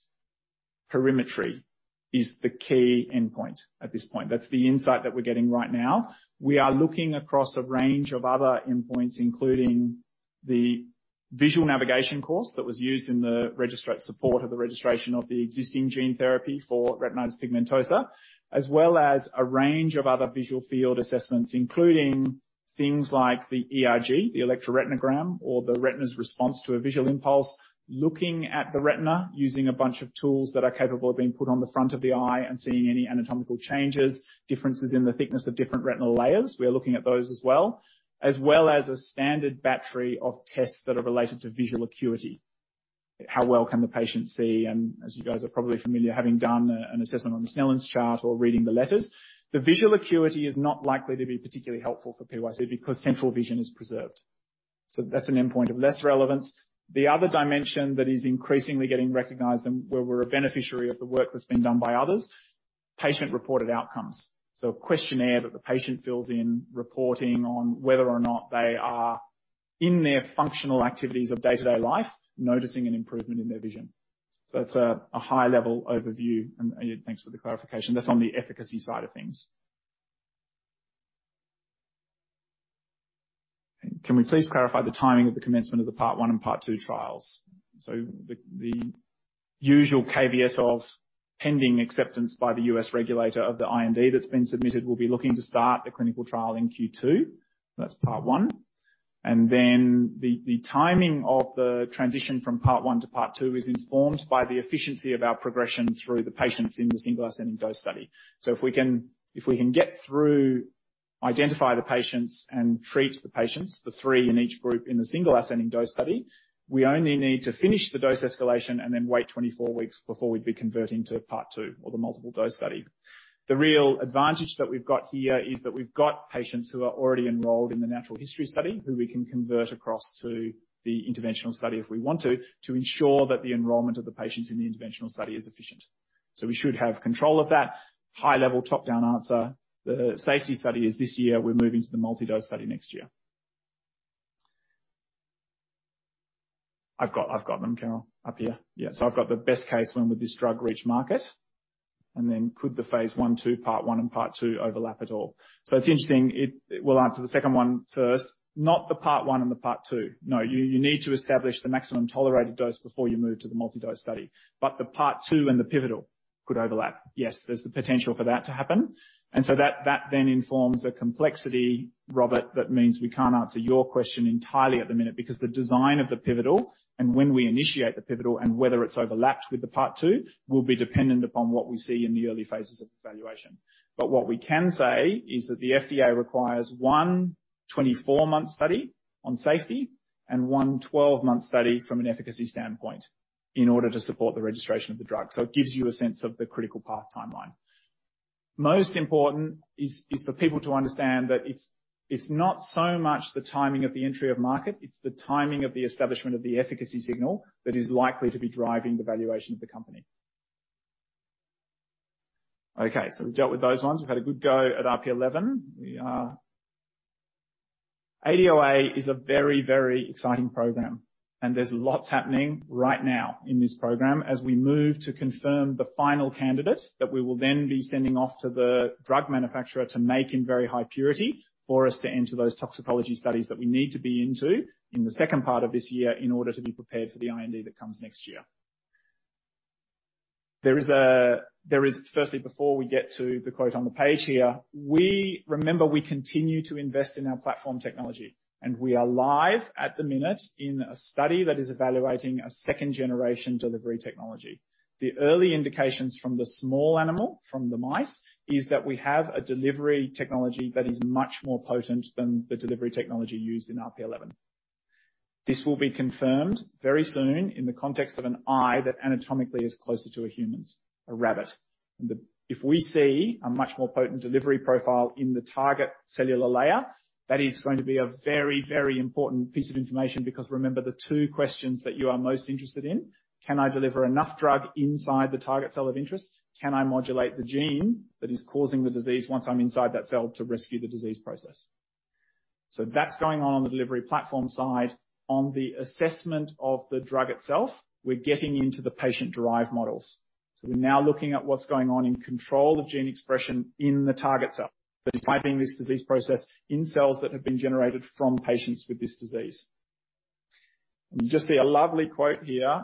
perimetry is the key endpoint at this point. That's the insight that we're getting right now. We are looking across a range of other endpoints, including the Visual Navigation Course that was used in the support of the registration of the existing gene therapy for retinitis pigmentosa, as well as a range of other visual field assessments, including things like the ERG, the electroretinogram, or the retina's response to a visual impulse, looking at the retina using a bunch of tools that are capable of being put on the front of the eye and seeing any anatomical changes, differences in the thickness of different retinal layers. We are looking at those as well, as well as a standard battery of tests that are related to visual acuity. How well can the patient see? As you guys are probably familiar, having done an assessment on the Snellen chart or reading the letters. The visual acuity is not likely to be particularly helpful for PYC because central vision is preserved. That's an endpoint of less relevance. The other dimension that is increasingly getting recognized and where we're a beneficiary of the work that's been done by others, patient-reported outcomes. A questionnaire that the patient fills in, reporting on whether or not they are in their functional activities of day-to-day life, noticing an improvement in their vision. That's a high-level overview. Yeah, thanks for the clarification. That's on the efficacy side of things. Can we please clarify the timing of the commencement of the Part One and Part Two trials? The usual KVS of pending acceptance by the U.S. regulator of the IND that's been submitted, we'll be looking to start the clinical trial in Q2. That's Part One. The timing of the transition from Part One to Part Two is informed by the efficiency of our progression through the patients in the single ascending dose study. If we can get through, identify the patients, and treat the patients, the three in each group in the single ascending dose study, we only need to finish the dose escalation and then wait 24 weeks before we'd be converting to Part Two or the multiple dose study. The real advantage that we've got here is that we've got patients who are already enrolled in the natural history study who we can convert across to the interventional study if we want to ensure that the enrollment of the patients in the interventional study is efficient. We should have control of that high-level top-down answer. The safety study is this year. We're moving to the multi-dose study next year. I've got them, Carol, up here. Yeah. I've got the best case when would this drug reach market, could the phase one, two, part one and part two overlap at all? It's interesting. We'll answer the second one first. Not the part one and the part two. No. You need to establish the maximum tolerated dose before you move to the multi-dose study. The part two and the pivotal could overlap. Yes, there's the potential for that to happen. That then informs a complexity, Robert, that means we can't answer your question entirely at the minute, because the design of the pivotal and when we initiate the pivotal and whether it's overlapped with the part two, will be dependent upon what we see in the early phases of evaluation. What we can say is that the FDA requires one 24-month study on safety and one 12-month study from an efficacy standpoint in order to support the registration of the drug. It gives you a sense of the critical path timeline. Most important is for people to understand that it's not so much the timing of the entry of market, it's the timing of the establishment of the efficacy signal that is likely to be driving the valuation of the company. We've dealt with those ones. We've had a good go at RP11. We are... ADOA is a very, very exciting program. There's lots happening right now in this program as we move to confirm the final candidate that we will then be sending off to the drug manufacturer to make in very high purity for us to enter those toxicology studies that we need to be into in the second part of this year in order to be prepared for the IND that comes next year. There is a. Firstly, before we get to the quote on the page here, we remember we continue to invest in our platform technology. We are live at the minute in a study that is evaluating a second-generation delivery technology. The early indications from the small animal, from the mice, is that we have a delivery technology that is much more potent than the delivery technology used in RP11. This will be confirmed very soon in the context of an eye that anatomically is closer to a human's, a rabbit. If we see a much more potent delivery profile in the target cellular layer, that is going to be a very, very important piece of information because remember the two questions that you are most interested in, can I deliver enough drug inside the target cell of interest? Can I modulate the gene that is causing the disease once I'm inside that cell to rescue the disease process? That's going on on the delivery platform side. On the assessment of the drug itself, we're getting into the patient-derived models. We're now looking at what's going on in control of gene expression in the target cell that is driving this disease process in cells that have been generated from patients with this disease. You just see a lovely quote here.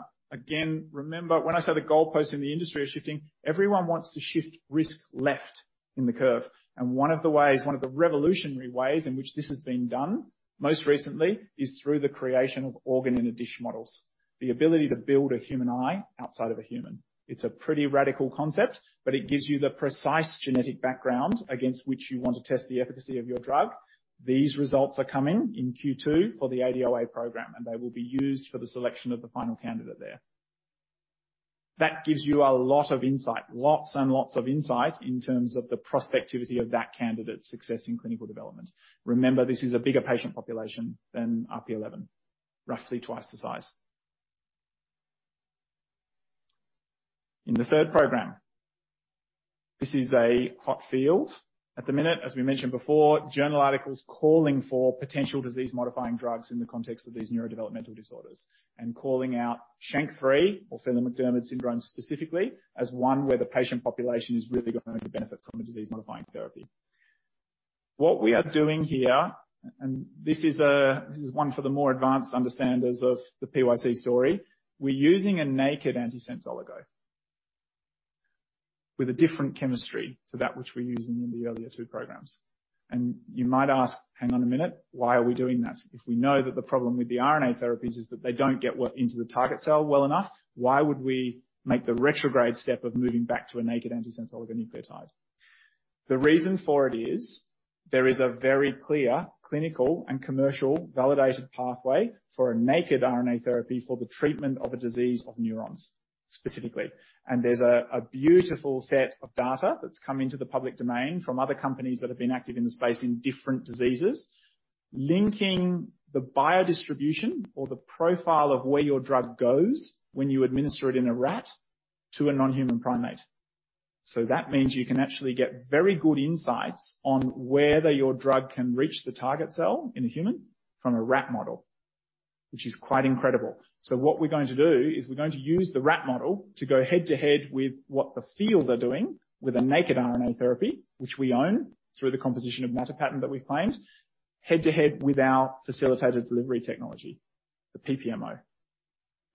Remember when I say the goalposts in the industry are shifting, everyone wants to shift risk left in the curve. One of the ways, one of the revolutionary ways in which this has been done most recently is through the creation of organ-in-a-dish models. The ability to build a human eye outside of a human. It's a pretty radical concept, but it gives you the precise genetic background against which you want to test the efficacy of your drug. These results are coming in Q2 for the ADOA program, and they will be used for the selection of the final candidate there. That gives you a lot of insight, lots and lots of insight in terms of the prospectivity of that candidate's success in clinical development. Remember, this is a bigger patient population than RP11, roughly twice the size. In the third program, this is a hot field. At the minute, as we mentioned before, journal articles calling for potential disease-modifying drugs in the context of these neurodevelopmental disorders, and calling out SHANK3 or Phelan-McDermid Syndrome specifically as one where the patient population is really going to benefit from a disease-modifying therapy. What we are doing here, and this is one for the more advanced understandings of the PYC story. We're using a naked antisense oligo with a different chemistry to that which we're using in the earlier two programs. You might ask, hang on a minute, why are we doing that? If we know that the problem with the RNA therapies is that they don't get what into the target cell well enough, why would we make the retrograde step of moving back to a naked antisense oligonucleotide? The reason for it is there is a very clear clinical and commercial validated pathway for a naked RNA therapy for the treatment of a disease of neurons specifically. There's a beautiful set of data that's come into the public domain from other companies that have been active in the space in different diseases, linking the biodistribution or the profile of where your drug goes when you administer it in a rat to a non-human primate. That means you can actually get very good insights on whether your drug can reach the target cell in a human from a rat model, which is quite incredible. What we're going to do is we're going to use the rat model to go head-to-head with what the field are doing with a naked RNA therapy, which we own through the composition of matter patent that we've claimed, head-to-head with our facilitated delivery technology, the PPMO.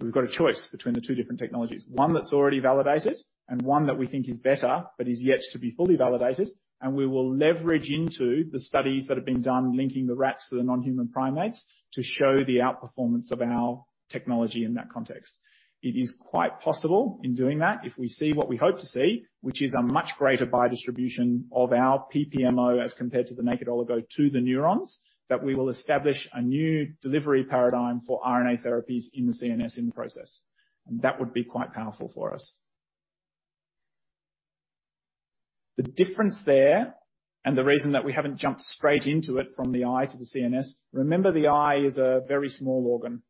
We've got a choice between the two different technologies, one that's already validated and one that we think is better, but is yet to be fully validated, and we will leverage into the studies that have been done linking the rats to the non-human primates to show the outperformance of our technology in that context. It is quite possible in doing that, if we see what we hope to see, which is a much greater biodistribution of our PPMO as compared to the naked oligo to the neurons, that we will establish a new delivery paradigm for RNA therapies in the CNS in the process. That would be quite powerful for us. The difference there, and the reason that we haven't jumped straight into it from the eye to the CNS, remember, the eye is a very small organ,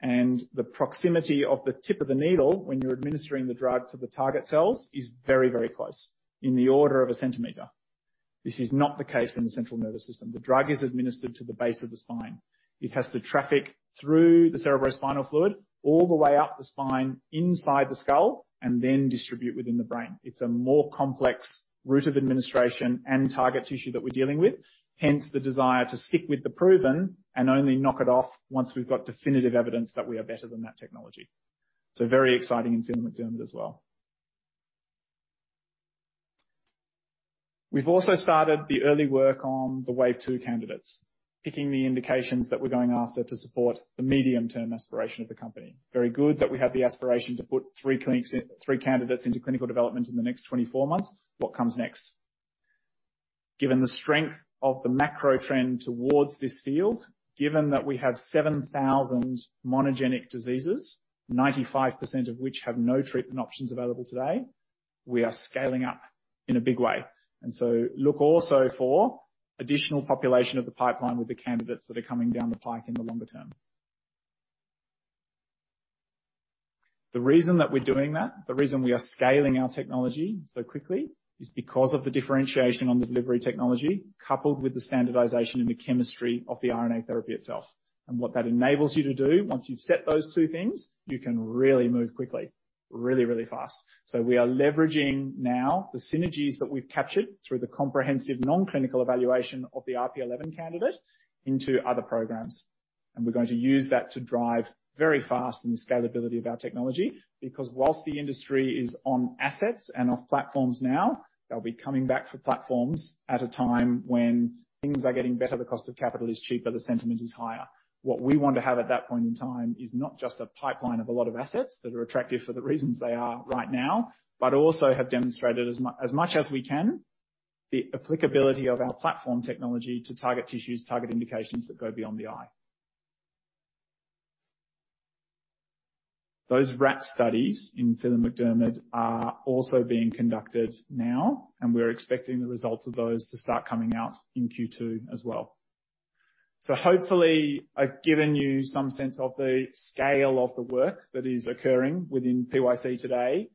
and the proximity of the tip of the needle when you're administering the drug to the target cells is very, very close, in the order of a centimeter. This is not the case in the central nervous system. The drug is administered to the base of the spine. It has to traffic through the cerebrospinal fluid all the way up the spine inside the skull, and then distribute within the brain. It's a more complex route of administration and target tissue that we're dealing with, hence the desire to stick with the proven and only knock it off once we've got definitive evidence that we are better than that technology. Very exciting in Phelan-McDermid as well. We've also started the early work on the wave 2 candidates, picking the indications that we're going after to support the medium-term aspiration of the company. Very good that we have the aspiration to put three candidates into clinical development in the next 24 months. What comes next? Given the strength of the macro trend towards this field, given that we have 7,000 monogenic diseases, 95% of which have no treatment options available today, we are scaling up in a big way. Look also for additional population of the pipeline with the candidates that are coming down the pike in the longer term. The reason that we're doing that, the reason we are scaling our technology so quickly, is because of the differentiation on the delivery technology, coupled with the standardization in the chemistry of the RNA therapy itself. What that enables you to do, once you've set those two things, you can really move quickly, really fast. We are leveraging now the synergies that we've captured through the comprehensive non-clinical evaluation of the RP11 candidate into other programs. We're going to use that to drive very fast in the scalability of our technology, because whilst the industry is on assets and off platforms now, they'll be coming back for platforms at a time when things are getting better, the cost of capital is cheaper, the sentiment is higher. What we want to have at that point in time is not just a pipeline of a lot of assets that are attractive for the reasons they are right now, but also have demonstrated as much as we can, the applicability of our platform technology to target tissues, target indications that go beyond the eye. Those rat studies in Phelan-McDermid are also being conducted now, and we're expecting the results of those to start coming out in Q2 as well. Hopefully I've given you some sense of the scale of the work that is occurring within PYC today.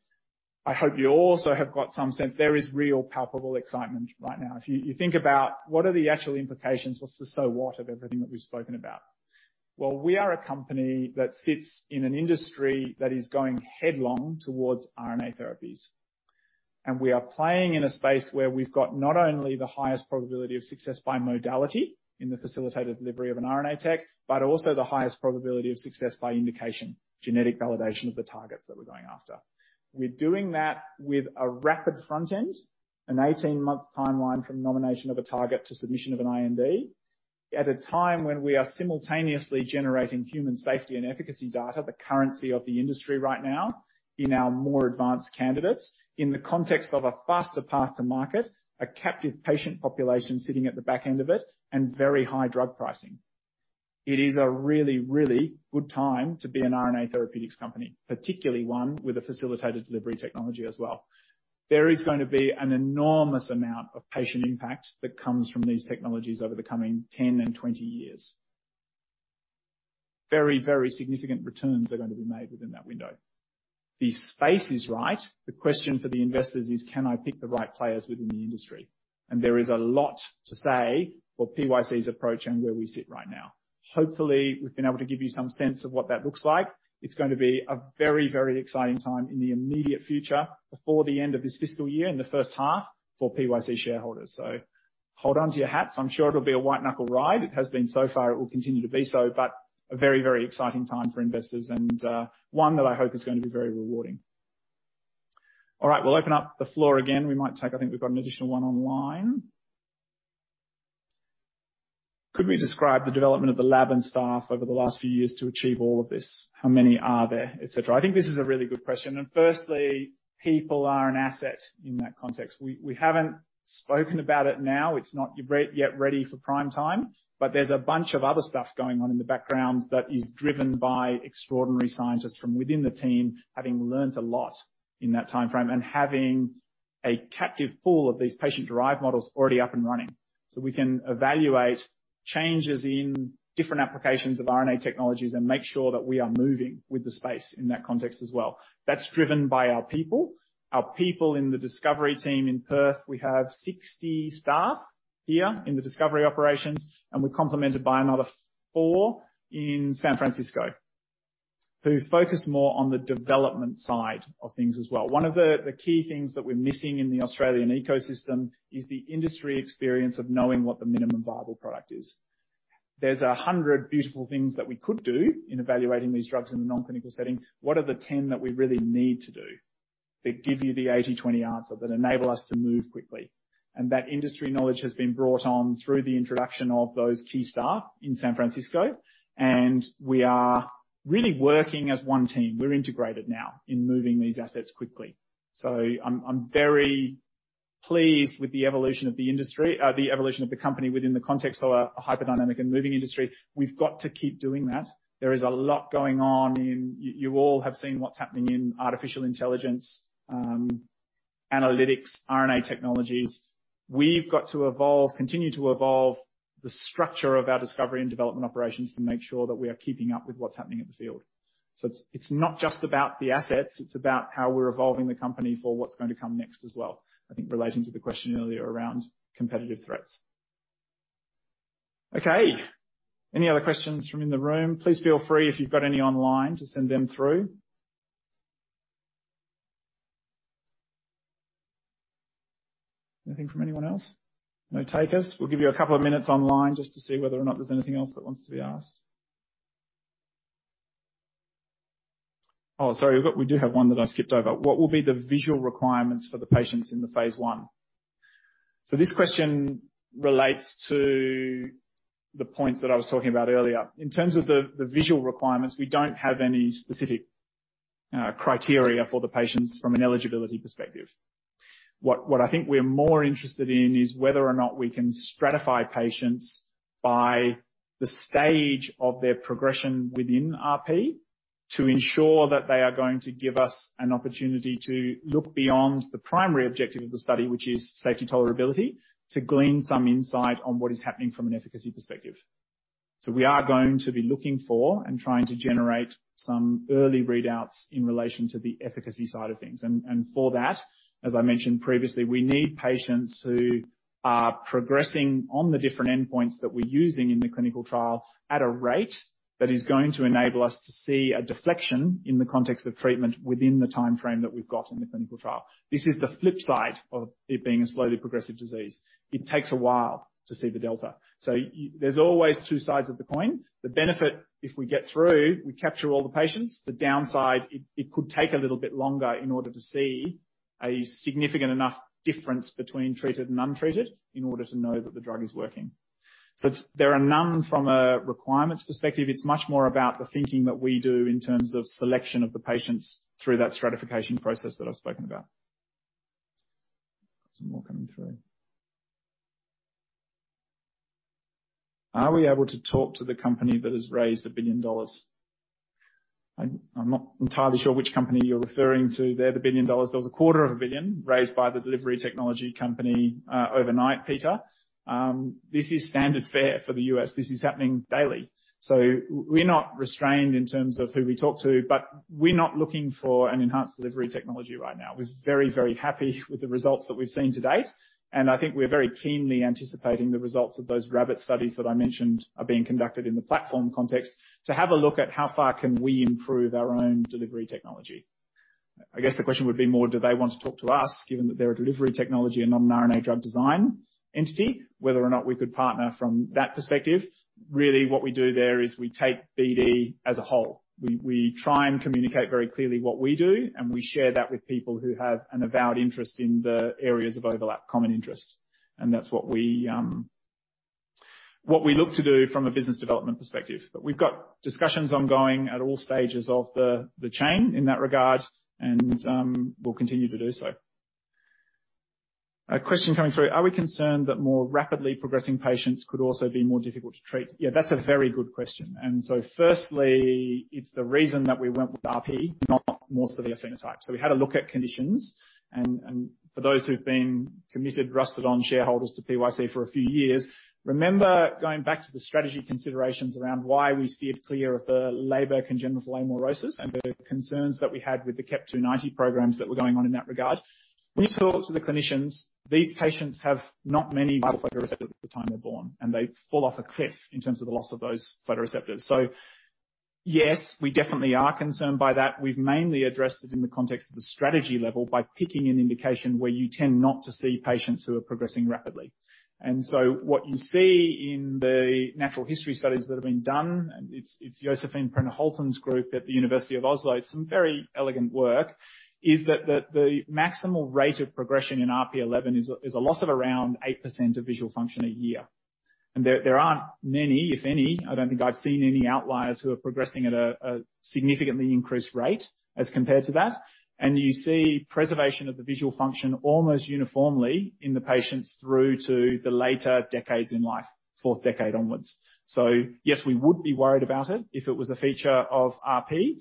I hope you also have got some sense. There is real palpable excitement right now. If you think about what are the actual implications, what's the so what of everything that we've spoken about? Well, we are a company that sits in an industry that is going headlong towards RNA therapies. We are playing in a space where we've got not only the highest probability of success by modality in the facilitated delivery of an RNA tech, but also the highest probability of success by indication, genetic validation of the targets that we're going after. We're doing that with a rapid front end, an eighteen-month timeline from nomination of a target to submission of an IND. At a time when we are simultaneously generating human safety and efficacy data, the currency of the industry right now in our more advanced candidates, in the context of a faster path to market, a captive patient population sitting at the back end of it, and very high drug pricing. It is a really, really good time to be an RNA therapeutics company, particularly one with a facilitated delivery technology as well. There is going to be an enormous amount of patient impact that comes from these technologies over the coming 10 and 20 years. Very, very significant returns are going to be made within that window. The space is right. The question for the investors is can I pick the right players within the industry? There is a lot to say for PYC's approach and where we sit right now. Hopefully, we've been able to give you some sense of what that looks like. It's going to be a very, very exciting time in the immediate future before the end of this fiscal year in the first half for PYC shareholders. Hold onto your hats. I'm sure it'll be a white-knuckle ride. It has been so far, it will continue to be so, a very, very exciting time for investors and one that I hope is going to be very rewarding. All right, we'll open up the floor again. I think we've got an additional one online. Could we describe the development of the lab and staff over the last few years to achieve all of this? How many are there, etc? I think this is a really good question. Firstly, people are an asset in that context. We haven't spoken about it now. It's not yet ready for prime time. There's a bunch of other stuff going on in the background that is driven by extraordinary scientists from within the team, having learned a lot in that timeframe and having a captive pool of these patient-derived models already up and running. We can evaluate changes in different applications of RNA technologies and make sure that we are moving with the space in that context as well. That's driven by our people. Our people in the discovery team in Perth, we have 60 staff here in the discovery operations, and we're complemented by another four in San Francisco who focus more on the development side of things as well. One of the key things that we're missing in the Australian ecosystem is the industry experience of knowing what the minimum viable product is. There's 100 beautiful things that we could do in evaluating these drugs in the non-clinical setting. What are the 10 that we really need to do that give you the 80/20 answer that enable us to move quickly? That industry knowledge has been brought on through the introduction of those key staff in San Francisco, and we are really working as one team. We're integrated now in moving these assets quickly. I'm very pleased with the evolution of the industry, the evolution of the company within the context of a hyper-dynamic and moving industry. We've got to keep doing that. There is a lot going on, you all have seen what's happening in artificial intelligence, analytics, RNA technologies. We've got to evolve, continue to evolve the structure of our discovery and development operations to make sure that we are keeping up with what's happening in the field. It's not just about the assets, it's about how we're evolving the company for what's going to come next as well. I think relating to the question earlier around competitive threats. Any other questions from in the room? Please feel free if you've got any online to send them through. Nothing from anyone else? No takers? We'll give you a couple of minutes online just to see whether or not there's anything else that wants to be asked. Sorry. We do have one that I skipped over. What will be the visual requirements for the patients in the Phase I? This question relates to the points that I was talking about earlier. In terms of the visual requirements, we don't have any specific criteria for the patients from an eligibility perspective. What I think we're more interested in is whether or not we can stratify patients by the stage of their progression within RP to ensure that they are going to give us an opportunity to look beyond the primary objective of the study, which is safety tolerability, to glean some insight on what is happening from an efficacy perspective. We are going to be looking for and trying to generate some early readouts in relation to the efficacy side of things. For that, as I mentioned previously, we need patients who are progressing on the different endpoints that we're using in the clinical trial at a rate that is going to enable us to see a deflection in the context of treatment within the timeframe that we've got in the clinical trial. This is the flip side of it being a slowly progressive disease. It takes a while to see the delta. There's always two sides of the coin. The benefit, if we get through, we capture all the patients. The downside, it could take a little bit longer in order to see a significant enough difference between treated and untreated in order to know that the drug is working. There are none from a requirements perspective. It's much more about the thinking that we do in terms of selection of the patients through that stratification process that I've spoken about. Some more coming through. Are we able to talk to the company that has raised $1 billion? I'm not entirely sure which company you're referring to there, the $1 billion. There was a quarter of a billion dollars raised by the delivery technology company overnight, Peter. This is standard fare for the U.S. This is happening daily. We're not restrained in terms of who we talk to, but we're not looking for an enhanced delivery technology right now. We're very, very happy with the results that we've seen to date. I think we're very keenly anticipating the results of those rabbit studies that I mentioned are being conducted in the platform context to have a look at how far can we improve our own delivery technology. I guess the question would be more, do they want to talk to us, given that they're a delivery technology and not an RNA drug design entity, whether or not we could partner from that perspective. Really, what we do there is we take BD as a whole. We try and communicate very clearly what we do, and we share that with people who have an avowed interest in the areas of overlap, common interests. That's what we, what we look to do from a business development perspective. We've got discussions ongoing at all stages of the chain in that regard and we'll continue to do so. A question coming through. Are we concerned that more rapidly progressing patients could also be more difficult to treat? Yeah, that's a very good question. Firstly, it's the reason that we went with RP, not more severe phenotypes. We had a look at conditions, and for those who've been committed, rusted-on shareholders to PYC for a few years, remember going back to the strategy considerations around why we steered clear of the Leber congenital amaurosis and the concerns that we had with the CEP290 programs that were going on in that regard. When you talk to the clinicians, these patients have not many vital photoreceptors at the time they're born, and they fall off a cliff in terms of the loss of those photoreceptors. Yes, we definitely are concerned by that. We've mainly addressed it in the context of the strategy level by picking an indication where you tend not to see patients who are progressing rapidly. What you see in the natural history studies that have been done, and it's Josephine Prehn-Holtan's group at the University of Oslo, it's some very elegant work, is that the maximal rate of progression in RP11 is a loss of around 8% of visual function a year. There aren't many, if any, I don't think I've seen any outliers who are progressing at a significantly increased rate as compared to that. You see preservation of the visual function almost uniformly in the patients through to the later decades in life, fourth decade onwards. Yes, we would be worried about it if it was a feature of RP.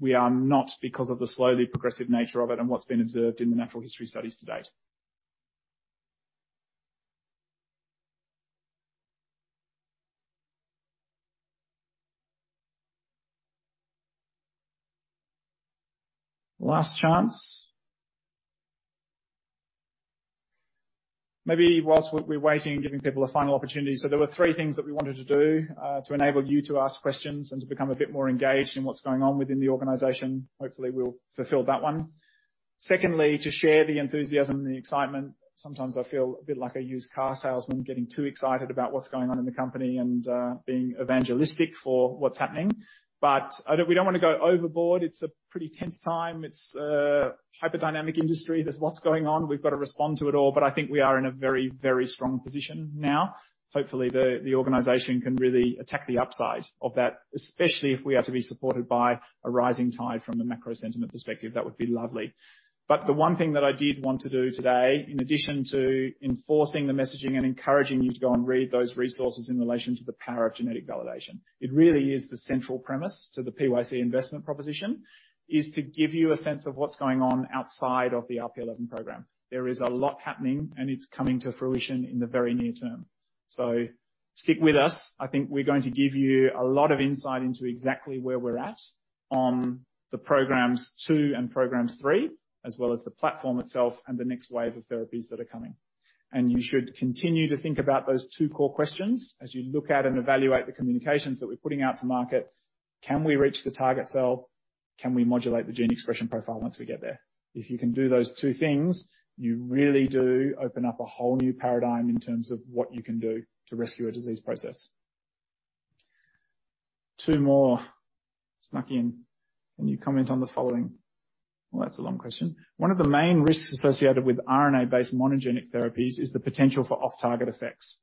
We are not because of the slowly progressive nature of it and what's been observed in the natural history studies to date. Last chance. Maybe whilst we're waiting and giving people a final opportunity. There were three things that we wanted to do to enable you to ask questions and to become a bit more engaged in what's going on within the organization. Hopefully, we'll fulfill that one. Secondly, to share the enthusiasm and the excitement. Sometimes I feel a bit like a used car salesman getting too excited about what's going on in the company and being evangelistic for what's happening. We don't want to go overboard. It's a pretty tense time. It's a hyper-dynamic industry. There's lots going on. We've got to respond to it all. I think we are in a very, very strong position now. Hopefully, the organization can really attack the upside of that, especially if we are to be supported by a rising tide from the macro sentiment perspective, that would be lovely. The one thing that I did want to do today, in addition to enforcing the messaging and encouraging you to go and read those resources in relation to the power of genetic validation, it really is the central premise to the PYC investment proposition, is to give you a sense of what's going on outside of the RP11 program. There is a lot happening, and it's coming to fruition in the very near term. Stick with us. I think we're going to give you a lot of insight into exactly where we're at on the programs Two and programs Three, as well as the platform itself and the next wave of therapies that are coming. You should continue to think about those two core questions as you look at and evaluate the communications that we're putting out to market. Can we reach the target cell? Can we modulate the gene expression profile once we get there? If you can do those two things, you really do open up a whole new paradigm in terms of what you can do to rescue a disease process. Two more snuck in. Can you comment on the following? Well, that's a long question. One of the main risks associated with RNA-based monogenic therapies is the potential for off-target effects.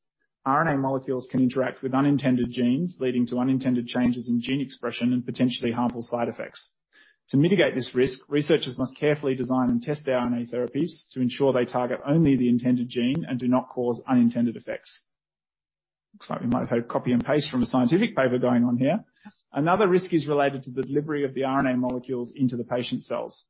RNA molecules can interact with unintended genes, leading to unintended changes in gene expression and potentially harmful side effects. To mitigate this risk, researchers must carefully design and test their RNA therapies to ensure they target only the intended gene and do not cause unintended effects. Looks like we might have a copy and paste from a scientific paper going on here. Another risk is related to the delivery of the RNA molecules into the patient's cells.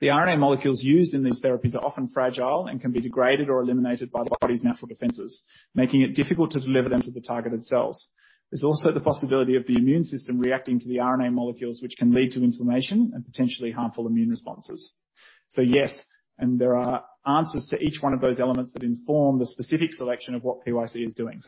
The RNA molecules used in these therapies are often fragile and can be degraded or eliminated by the body's natural defenses, making it difficult to deliver them to the targeted cells. There's also the possibility of the immune system reacting to the RNA molecules, which can lead to inflammation and potentially harmful immune responses. Yes, and there are answers to each one of those elements that inform the specific selection of what PYC is doing.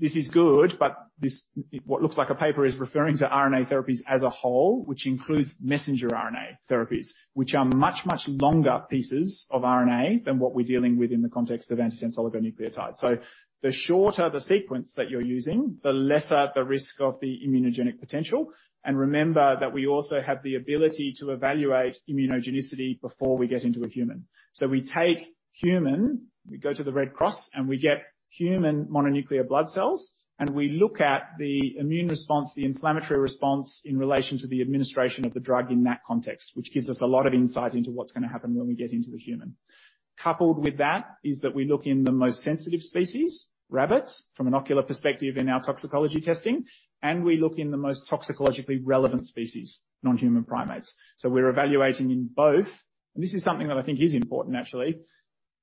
This is good, but this, what looks like a paper, is referring to RNA therapies as a whole, which includes messenger RNA therapies, which are much, much longer pieces of RNA than what we're dealing with in the context of antisense oligonucleotides. The shorter the sequence that you're using, the lesser the risk of the immunogenic potential. Remember that we also have the ability to evaluate immunogenicity before we get into a human. We take human, we go to the Red Cross, and we get human mononuclear blood cells, and we look at the immune response, the inflammatory response in relation to the administration of the drug in that context, which gives us a lot of insight into what's going to happen when we get into the human. Coupled with that is that we look in the most sensitive species, rabbits, from an ocular perspective in our toxicology testing, and we look in the most toxicologically relevant species, non-human primates. We're evaluating in both. This is something that I think is important, actually.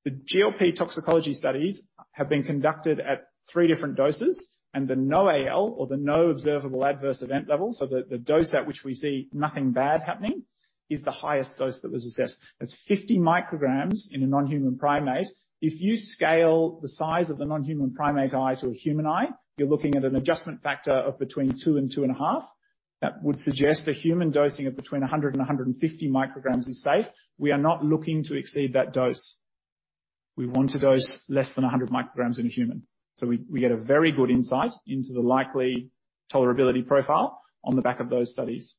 The GLP toxicology studies have been conducted at three different doses, and the NOAEL or the No-Observed-Adverse-Event-Level. The dose at which we see nothing bad happening is the highest dose that was assessed. That's 50 micrograms in a non-human primate. If you scale the size of the non-human primate eye to a human eye, you're looking at an adjustment factor of between two and 2.5. That would suggest a human dosing of between 100 and 150 micrograms is safe. We are not looking to exceed that dose. We want to dose less than 100 micrograms in a human. We get a very good insight into the likely tolerability profile on the back of those studies.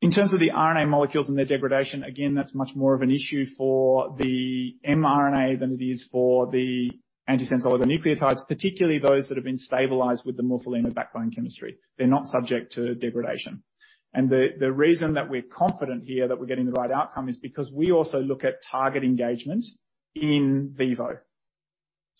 In terms of the RNA molecules and their degradation, again, that's much more of an issue for the mRNA than it is for the antisense oligonucleotides, particularly those that have been stabilized with the morpholino backbone chemistry. They're not subject to degradation. The reason that we're confident here that we're getting the right outcome is because we also look at target engagement in vivo.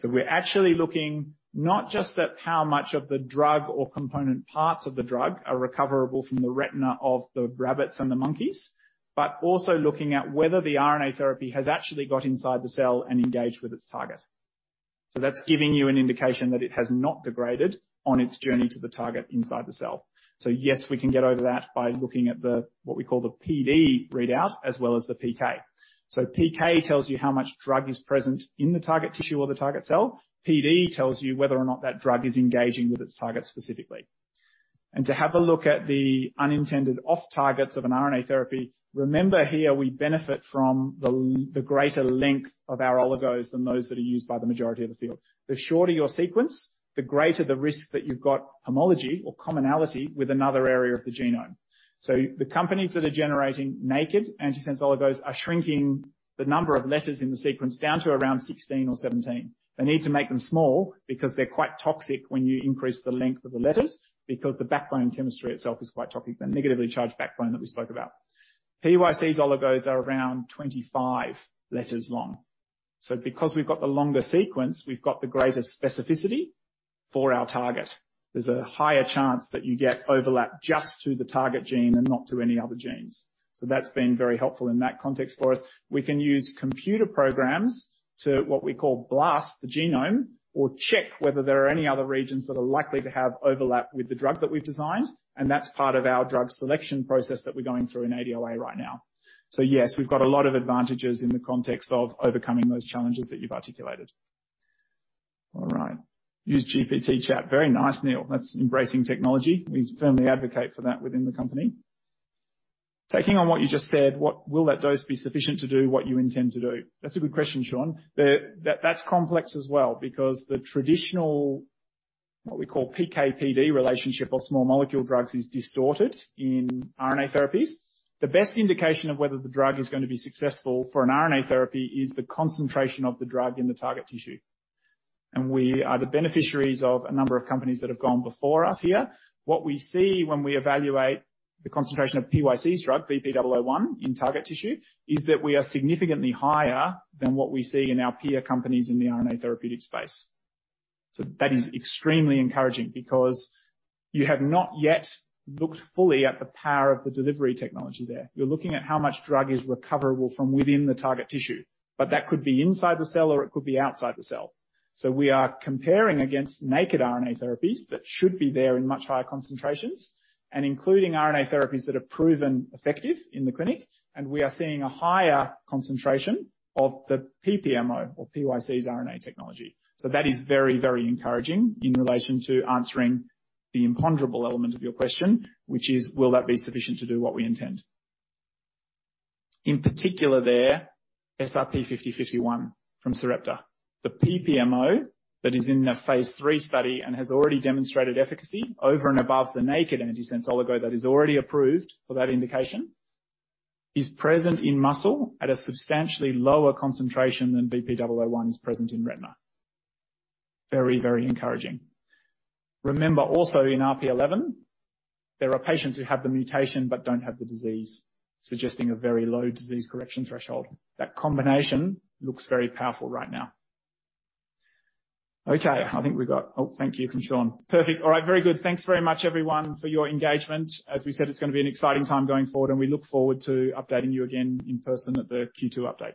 We're actually looking not just at how much of the drug or component parts of the drug are recoverable from the retina of the rabbits and the monkeys, but also looking at whether the RNA therapy has actually got inside the cell and engaged with its target. That's giving you an indication that it has not degraded on its journey to the target inside the cell. Yes, we can get over that by looking at the, what we call the PD readout as well as the PK. PK tells you how much drug is present in the target tissue or the target cell. PD tells you whether or not that drug is engaging with its target specifically. To have a look at the unintended off targets of an RNA therapy, remember here we benefit from the greater length of our oligos than those that are used by the majority of the field. The shorter your sequence, the greater the risk that you've got homology or commonality with another area of the genome. The companies that are generating naked antisense oligos are shrinking the number of letters in the sequence down to around 16 or 17. They need to make them small because they're quite toxic when you increase the length of the letters, because the backbone chemistry itself is quite toxic, the negatively charged backbone that we spoke about. PYC's oligos are around 25 letters long. Because we've got the longer sequence, we've got the greater specificity for our target. There's a higher chance that you get overlap just to the target gene and not to any other genes. That's been very helpful in that context for us. We can use computer programs to, what we call blast the genome or check whether there are any other regions that are likely to have overlap with the drug that we've designed. That's part of our drug selection process that we're going through in ADOA right now. Yes, we've got a lot of advantages in the context of overcoming those challenges that you've articulated. All right. Use ChatGPT. Very nice, Neil. That's embracing technology. We firmly advocate for that within the company. Taking on what you just said, will that dose be sufficient to do what you intend to do? That's a good question, Sean. That's complex as well because the traditional, what we call PK/PD relationship or small molecule drugs is distorted in RNA therapies. The best indication of whether the drug is gonna be successful for an RNA therapy is the concentration of the drug in the target tissue. We are the beneficiaries of a number of companies that have gone before us here. What we see when we evaluate the concentration of PYC's drug, VP-001, in target tissue, is that we are significantly higher than what we see in our peer companies in the RNA therapeutic space. That is extremely encouraging because you have not yet looked fully at the power of the delivery technology there. You're looking at how much drug is recoverable from within the target tissue, but that could be inside the cell or it could be outside the cell. We are comparing against naked RNA therapies that should be there in much higher concentrations, and including RNA therapies that are proven effective in the clinic, and we are seeing a higher concentration of the PPMO or PYC's RNA technology. That is very, very encouraging in relation to answering the imponderable element of your question, which is, will that be sufficient to do what we intend? In particular there, SRP-5051 from Sarepta, the PPMO that is in a Phase III study and has already demonstrated efficacy over and above the naked antisense oligo that is already approved for that indication, is present in muscle at a substantially lower concentration than VP-001 is present in retina. Very, very encouraging. Remember also in RP11, there are patients who have the mutation but don't have the disease, suggesting a very low disease correction threshold. That combination looks very powerful right now. Okay, thank you from Sean. Perfect. All right. Very good. Thanks very much, everyone, for your engagement. As we said, it's gonna be an exciting time going forward. We look forward to updating you again in person at the Q2 update.